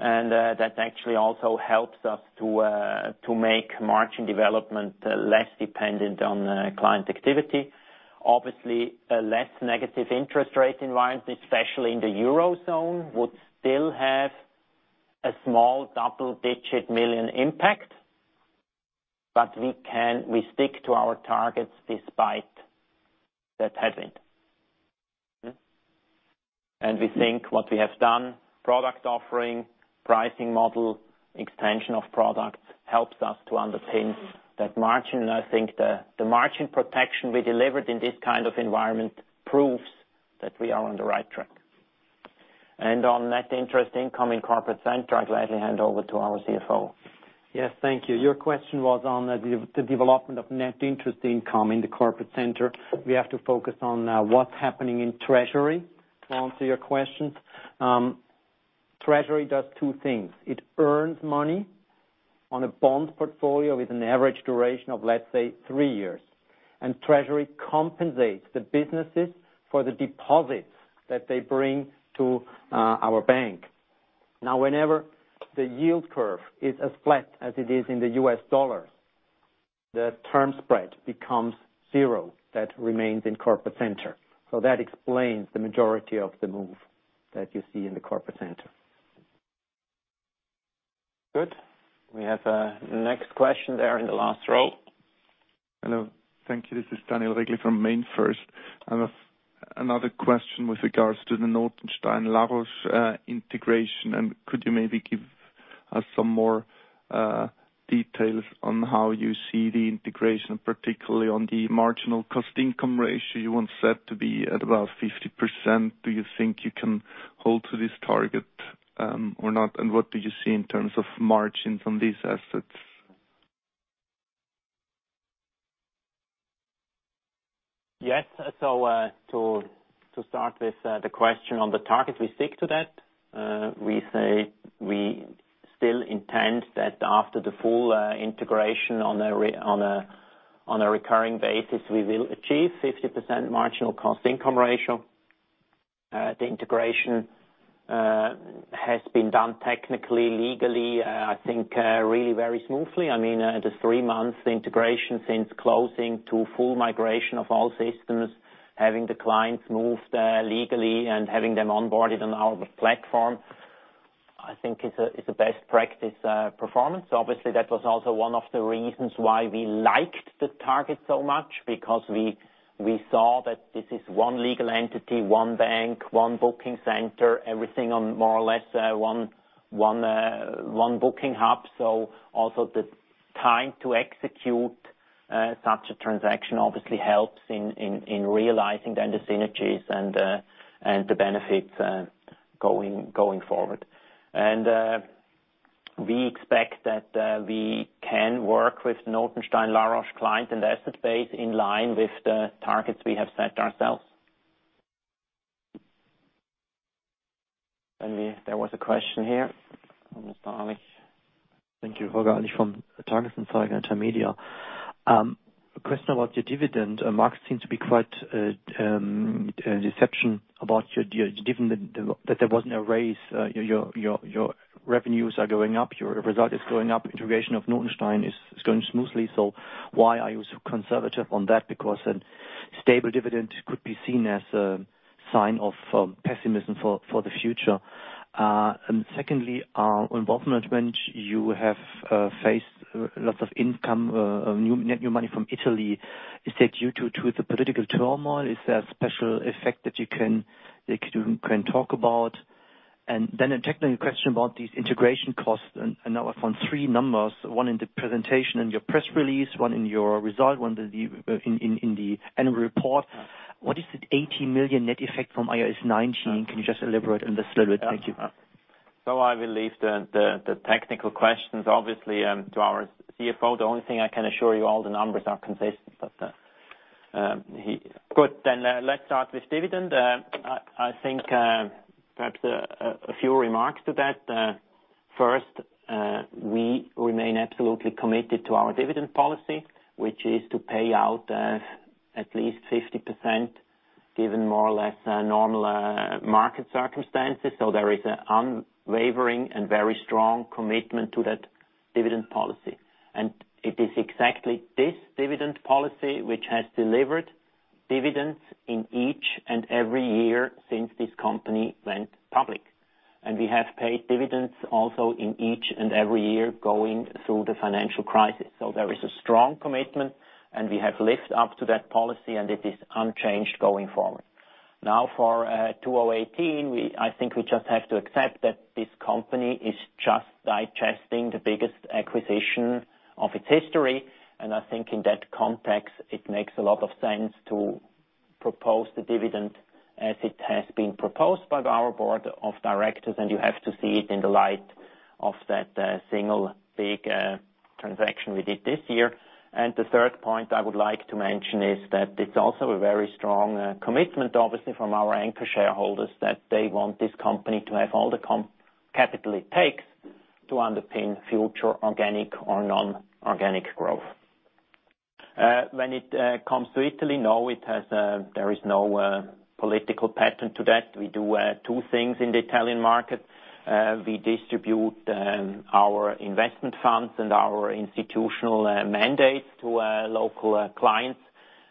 That actually also helps us to make margin development less dependent on client activity. Obviously, a less negative interest rate environment, especially in the Eurozone, would still have a small double-digit million impact. We stick to our targets despite that headwind. We think what we have done, product offering, pricing model, extension of product, helps us to underpin that margin. I think the margin protection we delivered in this kind of environment proves that we are on the right track. On net interest income in corporate center, I'd gladly hand over to our CFO. Yes. Thank you. Your question was on the development of net interest income in the corporate center. We have to focus on what's happening in treasury to answer your questions. Treasury does two things. It earns money on a bond portfolio with an average duration of, let's say, three years. Treasury compensates the businesses for the deposits that they bring to our bank. Now, whenever the yield curve is as flat as it is in the U.S. dollar, the term spread becomes zero. That remains in corporate center. That explains the majority of the move that you see in the corporate center. Good. We have the next question there in the last row. Hello. Thank you. This is Daniel Regli from MainFirst. I have another question with regards to the Notenstein La Roche integration. Could you maybe give us some more details on how you see the integration, particularly on the marginal cost-income ratio? You want that to be at about 50%. Do you think you can hold to this target or not? What do you see in terms of margins on these assets? Yes. To start with the question on the target, we stick to that. We say we still intend that after the full integration on a recurring basis, we will achieve 50% marginal cost-income ratio. The integration has been done technically, legally, I think really very smoothly. The three months integration since closing to full migration of all systems, having the clients moved legally and having them onboarded on our platform, I think is a best practice performance. Obviously, that was also one of the reasons why we liked the target so much because we saw that this is one legal entity, one bank, one booking center, everything on more or less one booking hub. Also the time to execute such a transaction obviously helps in realizing then the synergies and the benefits going forward. We expect that we can work with Notenstein La Roche client and asset base in line with the targets we have set ourselves. There was a question here from Mr. Alec. Thank you. Holger Alec from Target Intermedia. A question about your dividend. Market seems to be quite in deception about your dividend, that there wasn't a raise. Your revenues are going up, your result is going up, integration of Notenstein La Roche is going smoothly. Why are you so conservative on that? Because a stable dividend could be seen as a sign of pessimism for the future. Secondly, on wealth management, you have faced lots of income, new money from Italy. Is that due to the political turmoil? Is there a special effect that you can talk about? Then a technical question about these integration costs. I found three numbers, one in the presentation in your press release, one in your result, one in the annual report. What is it, 80 million net effect from IAS 19? Can you just elaborate on this a little bit? Thank you. I will leave the technical questions, obviously, to our CFO. The only thing I can assure you, all the numbers are consistent. That's that. Good. Let's start with dividend. I think perhaps a few remarks to that. First, we remain absolutely committed to our dividend policy, which is to pay out at least 50%, given more or less normal market circumstances. There is an unwavering and very strong commitment to that dividend policy. It is exactly this dividend policy which has delivered dividends in each and every year since this company went public. We have paid dividends also in each and every year going through the financial crisis. There is a strong commitment, and we have lived up to that policy, and it is unchanged going forward. For 2018, I think we just have to accept that this company is just digesting the biggest acquisition of its history. I think in that context, it makes a lot of sense to propose the dividend as it has been proposed by our board of directors, and you have to see it in the light of that single big transaction we did this year. The third point I would like to mention is that it's also a very strong commitment, obviously, from our anchor shareholders that they want this company to have all the capital it takes to underpin future organic or non-organic growth. When it comes to Italy, no, there is no political pattern to that. We do two things in the Italian market. We distribute our investment funds and our institutional mandates to local clients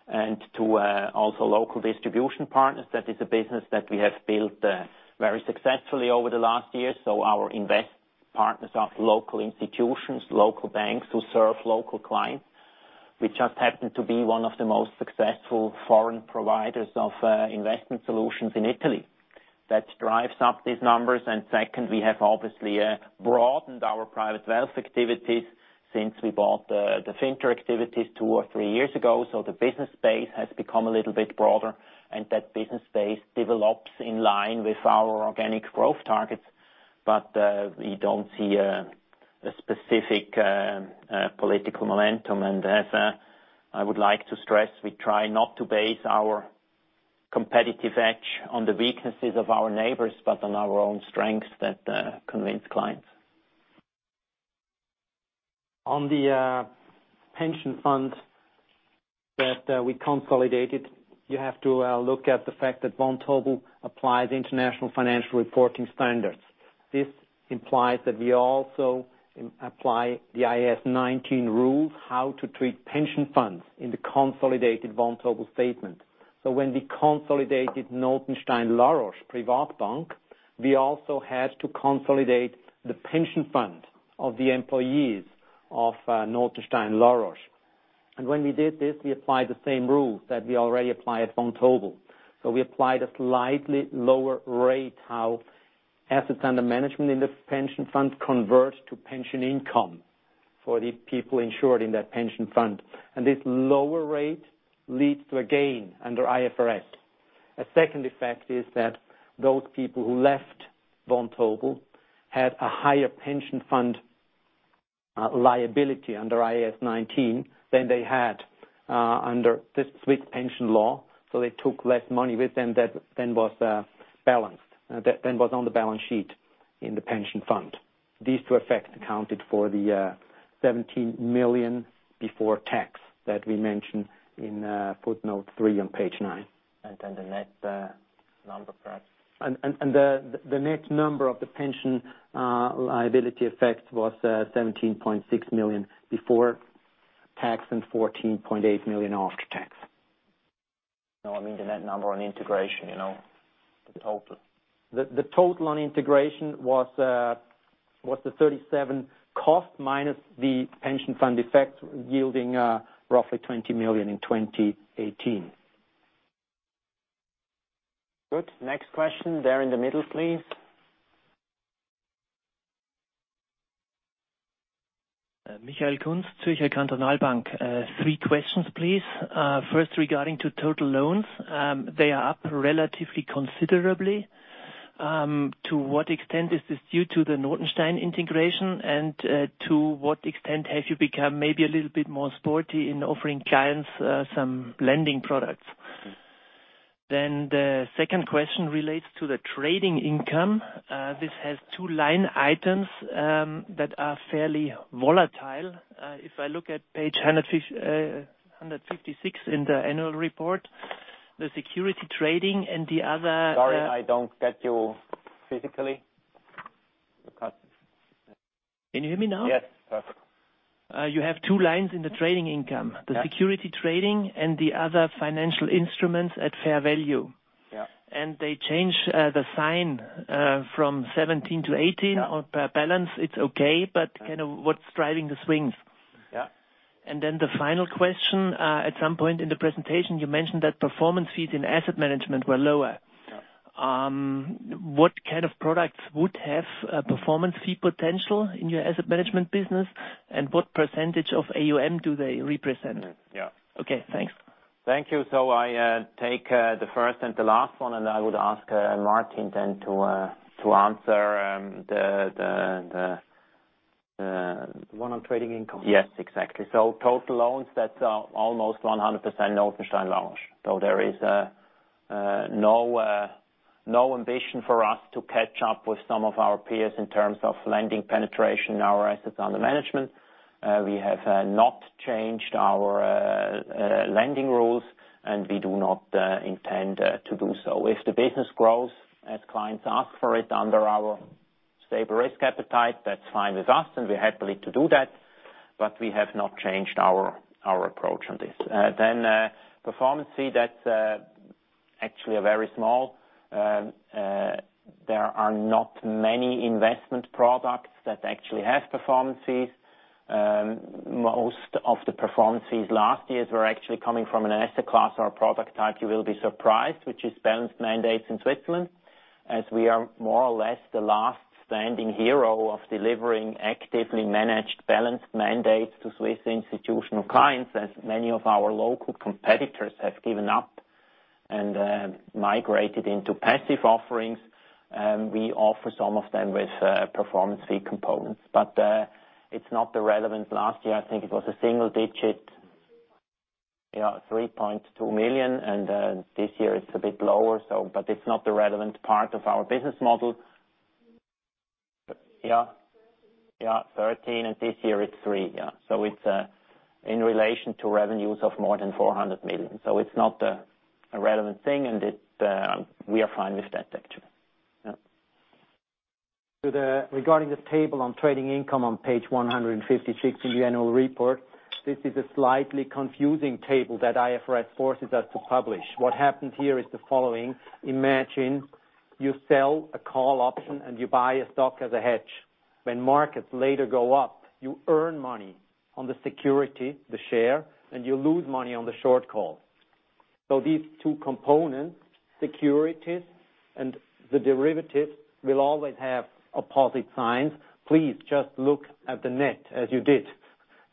and to also local distribution partners. That is a business that we have built very successfully over the last year. Our invest partners are local institutions, local banks who serve local clients. We just happen to be one of the most successful foreign providers of investment solutions in Italy. That drives up these numbers. Second, we have obviously broadened our private wealth activities since we bought the Finter activities two or three years ago. The business base has become a little bit broader, and that business base develops in line with our organic growth targets. We don't see a specific political momentum. As I would like to stress, we try not to base our competitive edge on the weaknesses of our neighbors, but on our own strengths that convince clients. On the pension fund that we consolidated, you have to look at the fact that Vontobel applies international financial reporting standards. This implies that we also apply the IAS 19 rules, how to treat pension funds in the consolidated Vontobel statement. When we consolidated Notenstein La Roche Privatbank, we also had to consolidate the pension fund of the employees of Notenstein La Roche. When we did this, we applied the same rules that we already apply at Vontobel. We applied a slightly lower rate how assets under management in the pension fund convert to pension income for the people insured in that pension fund. This lower rate leads to a gain under IFRS. A second effect is that those people who left Vontobel had a higher pension fund liability under IAS 19 than they had under the Swiss pension law, so they took less money with them than was on the balance sheet in the pension fund. These two effects accounted for the 17 million before tax that we mentioned in footnote three on page nine. The net number perhaps. The net number of the pension liability effect was 17.6 million before tax and 14.8 million after tax. No, I mean the net number on integration. The total. The total on integration was the 37 cost minus the pension fund effect yielding roughly 20 million in 2018. Good. Next question there in the middle, please. Michael Kunz, Zürcher Kantonalbank. Three questions, please. First, regarding to total loans. They are up relatively considerably. To what extent is this due to the Notenstein La Roche integration, and to what extent have you become maybe a little bit more sporty in offering clients some lending products? The second question relates to the trading income. This has two line items that are fairly volatile. If I look at page 156 in the annual report, the security trading and the other- Sorry, I don't get you physically. Can you hear me now? Yes, perfect. You have two lines in the trading income. Yeah. The security trading and the other financial instruments at fair value. Yeah. They change the sign from 2017 to 2018. Yeah Per balance, it's okay, but kind of what's driving the swings? Yeah. The final question, at some point in the presentation, you mentioned that performance fees in asset management were lower. Yeah. What kind of products would have a performance fee potential in your asset management business, and what percentage of AUM do they represent? Yeah. Okay, thanks. Thank you. I take the first and the last one, and I would ask Martin then to answer the The one on trading income? Yes, exactly. Total loans, that's almost 100% Notenstein La Roche loans. There is no ambition for us to catch up with some of our peers in terms of lending penetration in our assets under management. We have not changed our lending rules, and we do not intend to do so. If the business grows as clients ask for it under our stable risk appetite, that's fine with us, and we're happily to do that, but we have not changed our approach on this. Performance fee. There are not many investment products that actually have performance fees. Most of the performance fees last year were actually coming from an asset class or a product type you will be surprised, which is balanced mandates in Switzerland, as we are more or less the last standing hero of delivering actively managed balanced mandates to Swiss institutional clients, as many of our local competitors have given up and migrated into passive offerings. We offer some of them with performance fee components. It's not relevant. Last year, I think it was a single digit, 3.2 million, and this year it's a bit lower. It's not the relevant part of our business model. 13, and this year it's three. It's in relation to revenues of more than 400 million. It's not a relevant thing, and we are fine with that, actually. Regarding the table on trading income on page 156 in the annual report, this is a slightly confusing table that IFRS forces us to publish. What happened here is the following. Imagine you sell a call option and you buy a stock as a hedge. When markets later go up, you earn money on the security, the share, and you lose money on the short call. These two components, securities and the derivatives, will always have opposite signs. Please just look at the net as you did.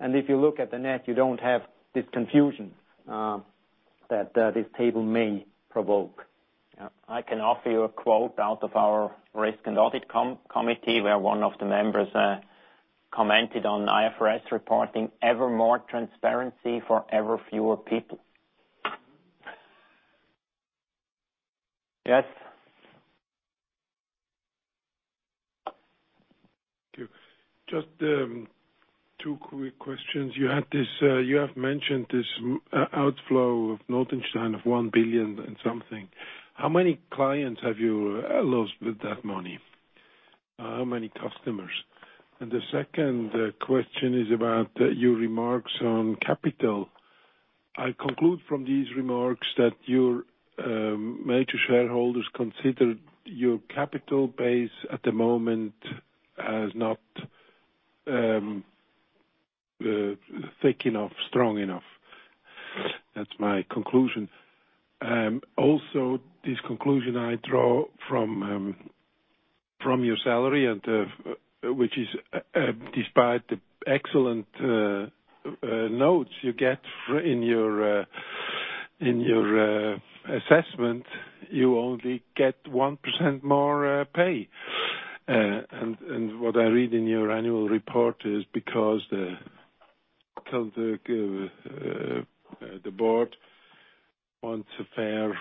If you look at the net, you don't have this confusion that this table may provoke. I can offer you a quote out of our risk and audit committee, where one of the members commented on IFRS reporting, ever more transparency for ever fewer people. Yes. Thank you. Just two quick questions. You have mentioned this outflow of Notenstein La Roche of 1 billion and something. How many clients have you lost with that money? How many customers? The second question is about your remarks on capital. I conclude from these remarks that your major shareholders considered your capital base at the moment as not thick enough, strong enough. That's my conclusion. Also, this conclusion I draw from your salary, which is, despite the excellent notes you get in your assessment, you only get 1% more pay. What I read in your annual report is because the board wants a fair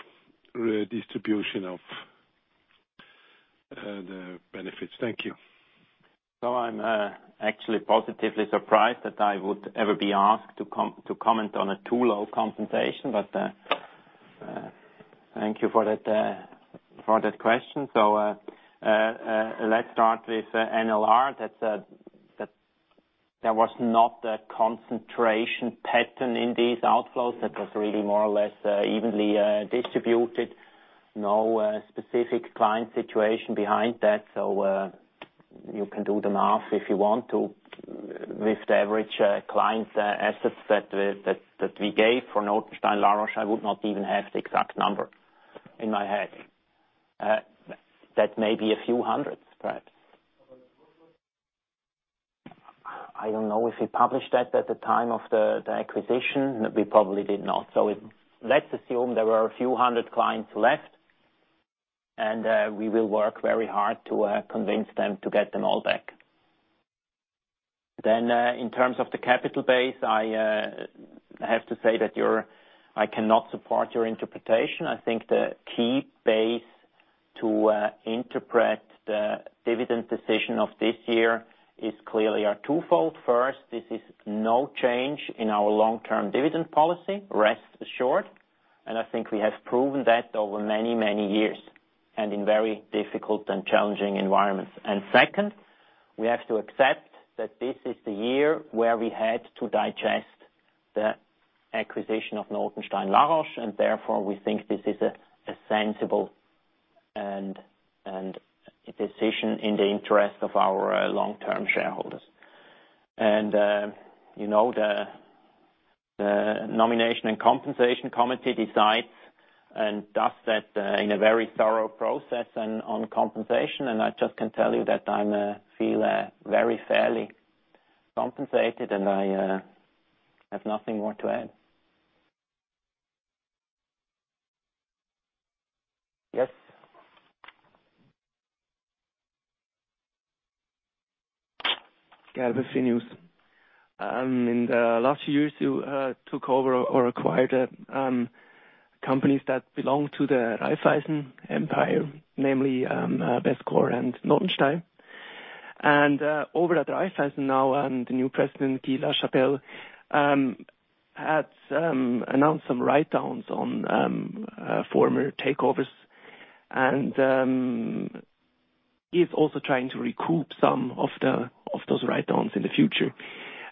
redistribution of the benefits. Thank you. I'm actually positively surprised that I would ever be asked to comment on a too low compensation. Thank you for that question. Let's start with NLR. There was not a concentration pattern in these outflows. That was really more or less evenly distributed. No specific client situation behind that. You can do the math if you want to with the average client assets that we gave for Notenstein La Roche. I would not even have the exact number in my head. That may be a few hundreds, perhaps. It was. I don't know if we published that at the time of the acquisition. We probably did not. Let's assume there were a few hundred clients left, and we will work very hard to convince them to get them all back. In terms of the capital base, I have to say that I cannot support your interpretation. I think the key base to interpret the dividend decision of this year is clearly twofold. First, this is no change in our long-term dividend policy, rest assured. I think we have proven that over many, many years and in very difficult and challenging environments. Second, we have to accept that this is the year where we had to digest the acquisition of Notenstein La Roche, and therefore, we think this is a sensible decision in the interest of our long-term shareholders. The nomination and compensation committee decides and does that in a very thorough process and on compensation. I just can tell you that I feel very fairly compensated, and I have nothing more to add. Yes. Galway Finews. In the last years, you took over or acquired companies that belong to the Raiffeisen empire, namely Vescore and Notenstein La Roche. Over at Raiffeisen now, the new president, Guy Lachappelle, has announced some write-downs on former takeovers and is also trying to recoup some of those write-downs in the future.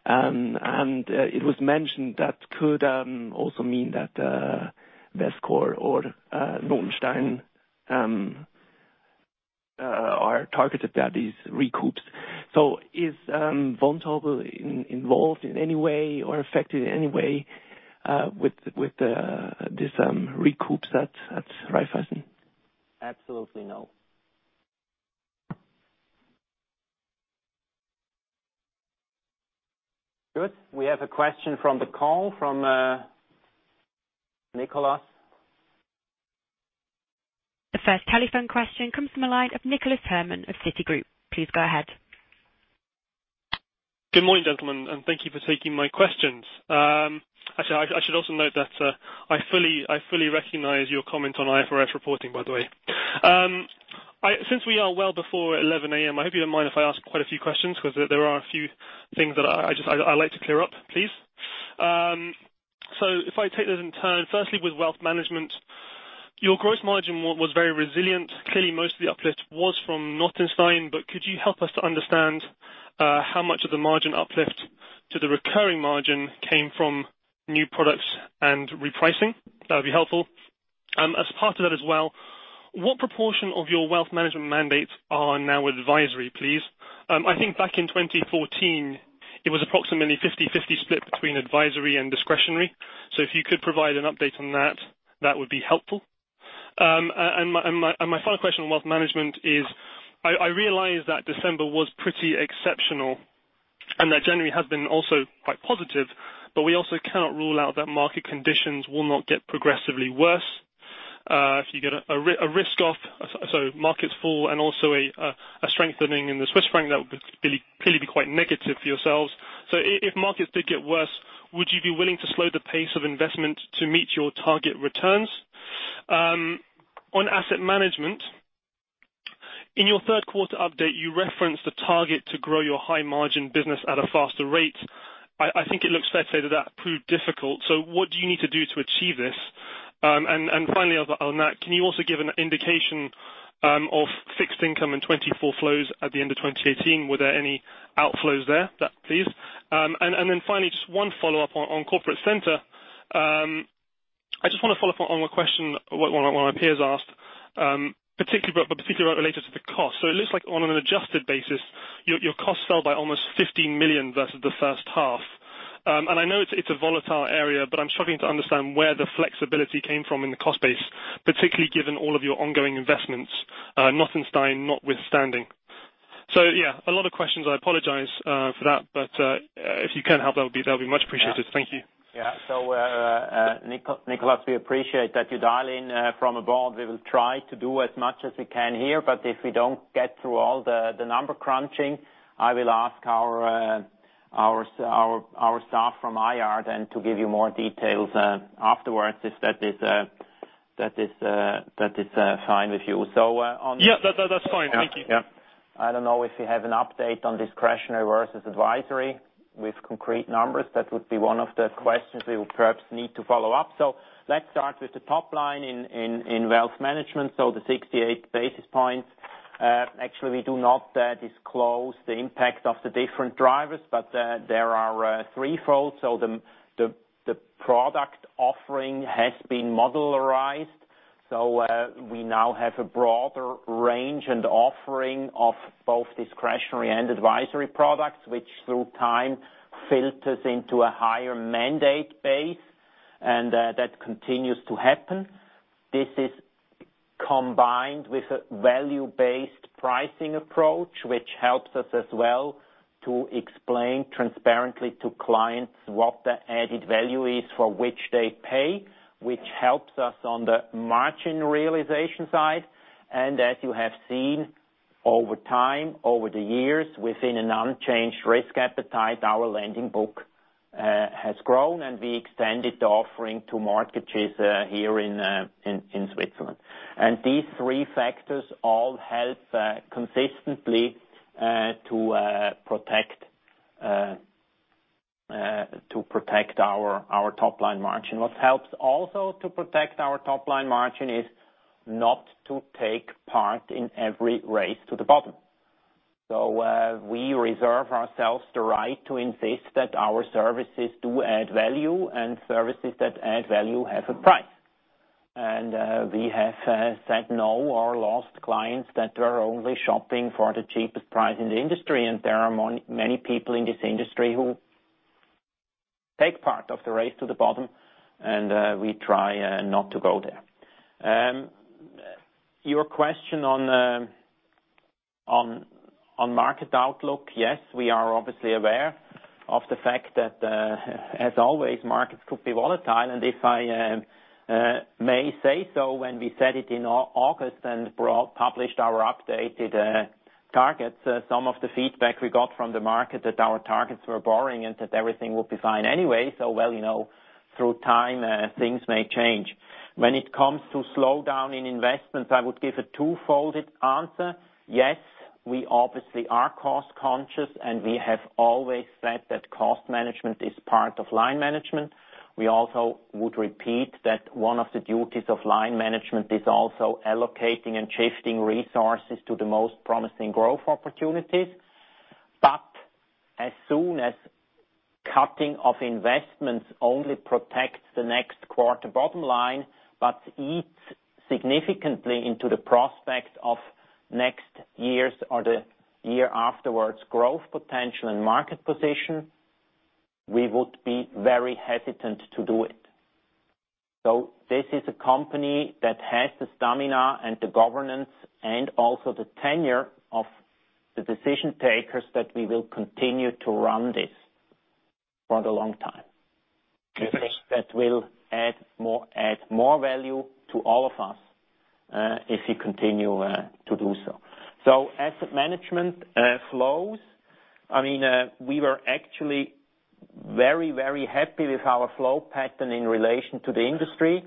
It was mentioned that could also mean that Vescore or Notenstein La Roche are targeted at these recoups. Is Vontobel involved in any way or affected in any way with these recoups at Raiffeisen? Absolutely no. Good. We have a question from the call from Nicholas. The first telephone question comes from the line of Nicholas Herman of Citigroup. Please go ahead. Good morning, gentlemen. Thank you for taking my questions. Actually, I should also note that I fully recognize your comment on IFRS reporting, by the way. Since we are well before 11:00 A.M., I hope you don't mind if I ask quite a few questions, because there are a few things that I'd like to clear up, please. If I take those in turn, firstly, with wealth management, your gross margin was very resilient. Clearly, most of the uplift was from Notenstein La Roche, but could you help us to understand how much of the margin uplift to the recurring margin came from new products and repricing? That would be helpful. As part of that as well, what proportion of your wealth management mandates are now advisory, please? I think back in 2014, it was approximately 50/50 split between advisory and discretionary. If you could provide an update on that would be helpful. My final question on wealth management is, I realize that December was pretty exceptional and that January has been also quite positive, we also cannot rule out that market conditions will not get progressively worse. If you get a risk-off, so markets fall and also a strengthening in the Swiss franc, that would clearly be quite negative for yourselves. If markets did get worse, would you be willing to slow the pace of investment to meet your target returns? On asset management, in your third quarter update, you referenced the target to grow your high margin business at a faster rate. I think it looks fair to say that that proved difficult. What do you need to do to achieve this? Finally on that, can you also give an indication of fixed income and 24 flows at the end of 2018? Were there any outflows there, please? Finally, just one follow-up on corporate center. I just want to follow up on one question one of my peers asked, particularly related to the cost. It looks like on an adjusted basis, your costs fell by almost 15 million versus the first half. I know it's a volatile area, but I'm struggling to understand where the flexibility came from in the cost base, particularly given all of your ongoing investments, Notenstein La Roche notwithstanding. Yeah, a lot of questions. I apologize for that, but if you can help, that'd be much appreciated. Thank you. Yeah. Nicholas, we appreciate that you dial in from abroad. We will try to do as much as we can here, but if we don't get through all the number crunching, I will ask our staff from IR then to give you more details afterwards, if that is fine with you. Yeah, that's fine. Thank you. Yeah. I don't know if you have an update on discretionary versus advisory with concrete numbers. That would be one of the questions we would perhaps need to follow up. Let's start with the top line in wealth management. The 68 basis points. Actually, we do not disclose the impact of the different drivers, but there are threefold. The product offering has been modularized. We now have a broader range and offering of both discretionary and advisory products, which through time filters into a higher mandate base. That continues to happen. This is combined with a value-based pricing approach, which helps us as well to explain transparently to clients what the added value is for which they pay, which helps us on the margin realization side. As you have seen over time, over the years, within an unchanged risk appetite, our lending book has grown, and we extended the offering to mortgages here in Switzerland. These three factors all help consistently to protect our top-line margin. What helps also to protect our top-line margin is not to take part in every race to the bottom. We reserve ourselves the right to insist that our services do add value and services that add value have a price. We have said no or lost clients that are only shopping for the cheapest price in the industry. There are many people in this industry who take part of the race to the bottom, and we try not to go there. Your question on market outlook, yes, we are obviously aware of the fact that, as always, markets could be volatile, and if I may say so, when we said it in August and published our updated targets, some of the feedback we got from the market, that our targets were boring and that everything would be fine anyway. Well, through time, things may change. When it comes to slowdown in investments, I would give a two-folded answer. Yes, we obviously are cost conscious, and we have always said that cost management is part of line management. We also would repeat that one of the duties of line management is also allocating and shifting resources to the most promising growth opportunities. As soon as cutting of investments only protects the next quarter bottom line, but eats significantly into the prospect of next year's or the year afterwards growth potential and market position, we would be very hesitant to do it. This is a company that has the stamina and the governance and also the tenure of the decision-makers that we will continue to run this for the long time. We think that will add more value to all of us, if we continue to do so. Asset management flows. We were actually very happy with our flow pattern in relation to the industry.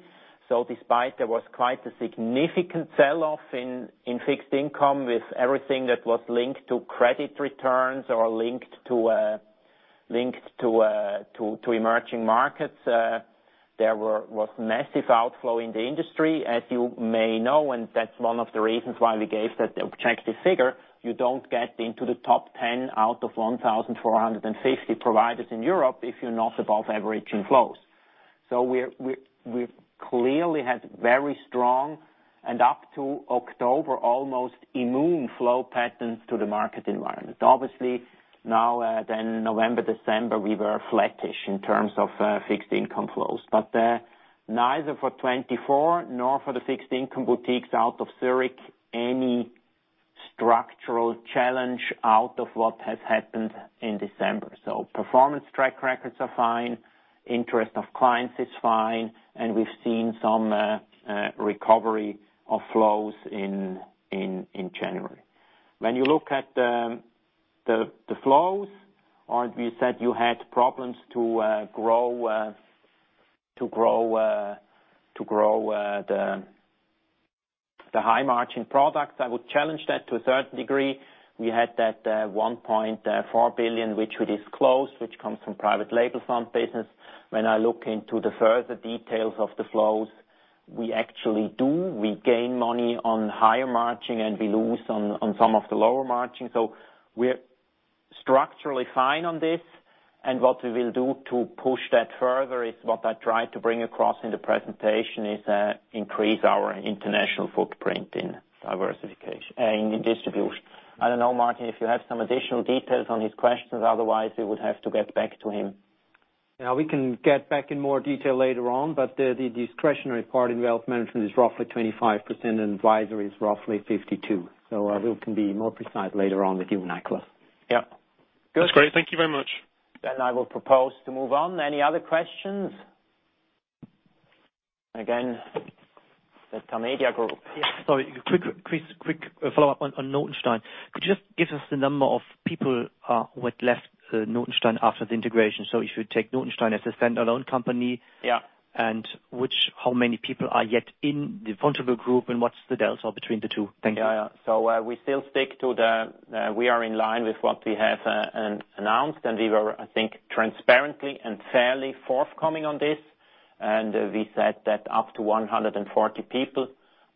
Despite there was quite a significant sell-off in fixed income with everything that was linked to credit returns or linked to emerging markets. There was massive outflow in the industry, as you may know. That's one of the reasons why we gave that objective figure. You don't get into the top 10 out of 1,450 providers in Europe if you're not above average in flows. We've clearly had very strong and up to October, almost immune flow patterns to the market environment. Now, November, December, we were flattish in terms of fixed income flows. Neither for 24 nor for the fixed income boutiques out of Zurich, any structural challenge out of what has happened in December. Performance track records are fine, interest of clients is fine, and we've seen some recovery of flows in January. When you look at the flows, aren't we said you had problems to grow the high margin products. I would challenge that to a certain degree. We had that 1.4 billion which we disclosed, which comes from private label fund business. When I look into the further details of the flows, we actually do. We gain money on higher margin, and we lose on some of the lower margin. We're structurally fine on this. What we will do to push that further is what I tried to bring across in the presentation, is increase our international footprint in distribution. I don't know, Martin, if you have some additional details on his questions. Otherwise, we would have to get back to him. We can get back in more detail later on. The discretionary part in wealth management is roughly 25%, and advisory is roughly 52%. We can be more precise later on with you, Nicholas. Yep. That's great. Thank you very much. I will propose to move on. Any other questions? Again, the Target Intermedia Group. Sorry, quick follow-up on Notenstein La Roche. Could you just give us the number of people who had left Notenstein La Roche after the integration? If you take Notenstein La Roche as a standalone company? Yeah How many people are yet in the Vontobel group, and what's the delta between the two? Thank you. Yeah. We are in line with what we have announced, and we were, I think, transparently and fairly forthcoming on this. We said that up to 140 people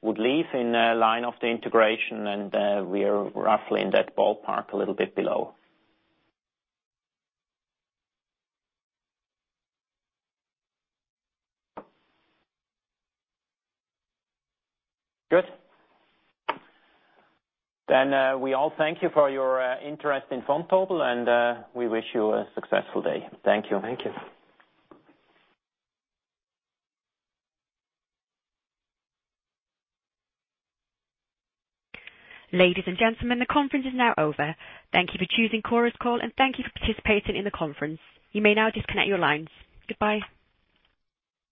would leave in line of the integration, and we are roughly in that ballpark, a little bit below. Good. We all thank you for your interest in Vontobel, and we wish you a successful day. Thank you. Thank you. Ladies and gentlemen, the conference is now over. Thank you for choosing Chorus Call, and thank you for participating in the conference. You may now disconnect your lines. Goodbye.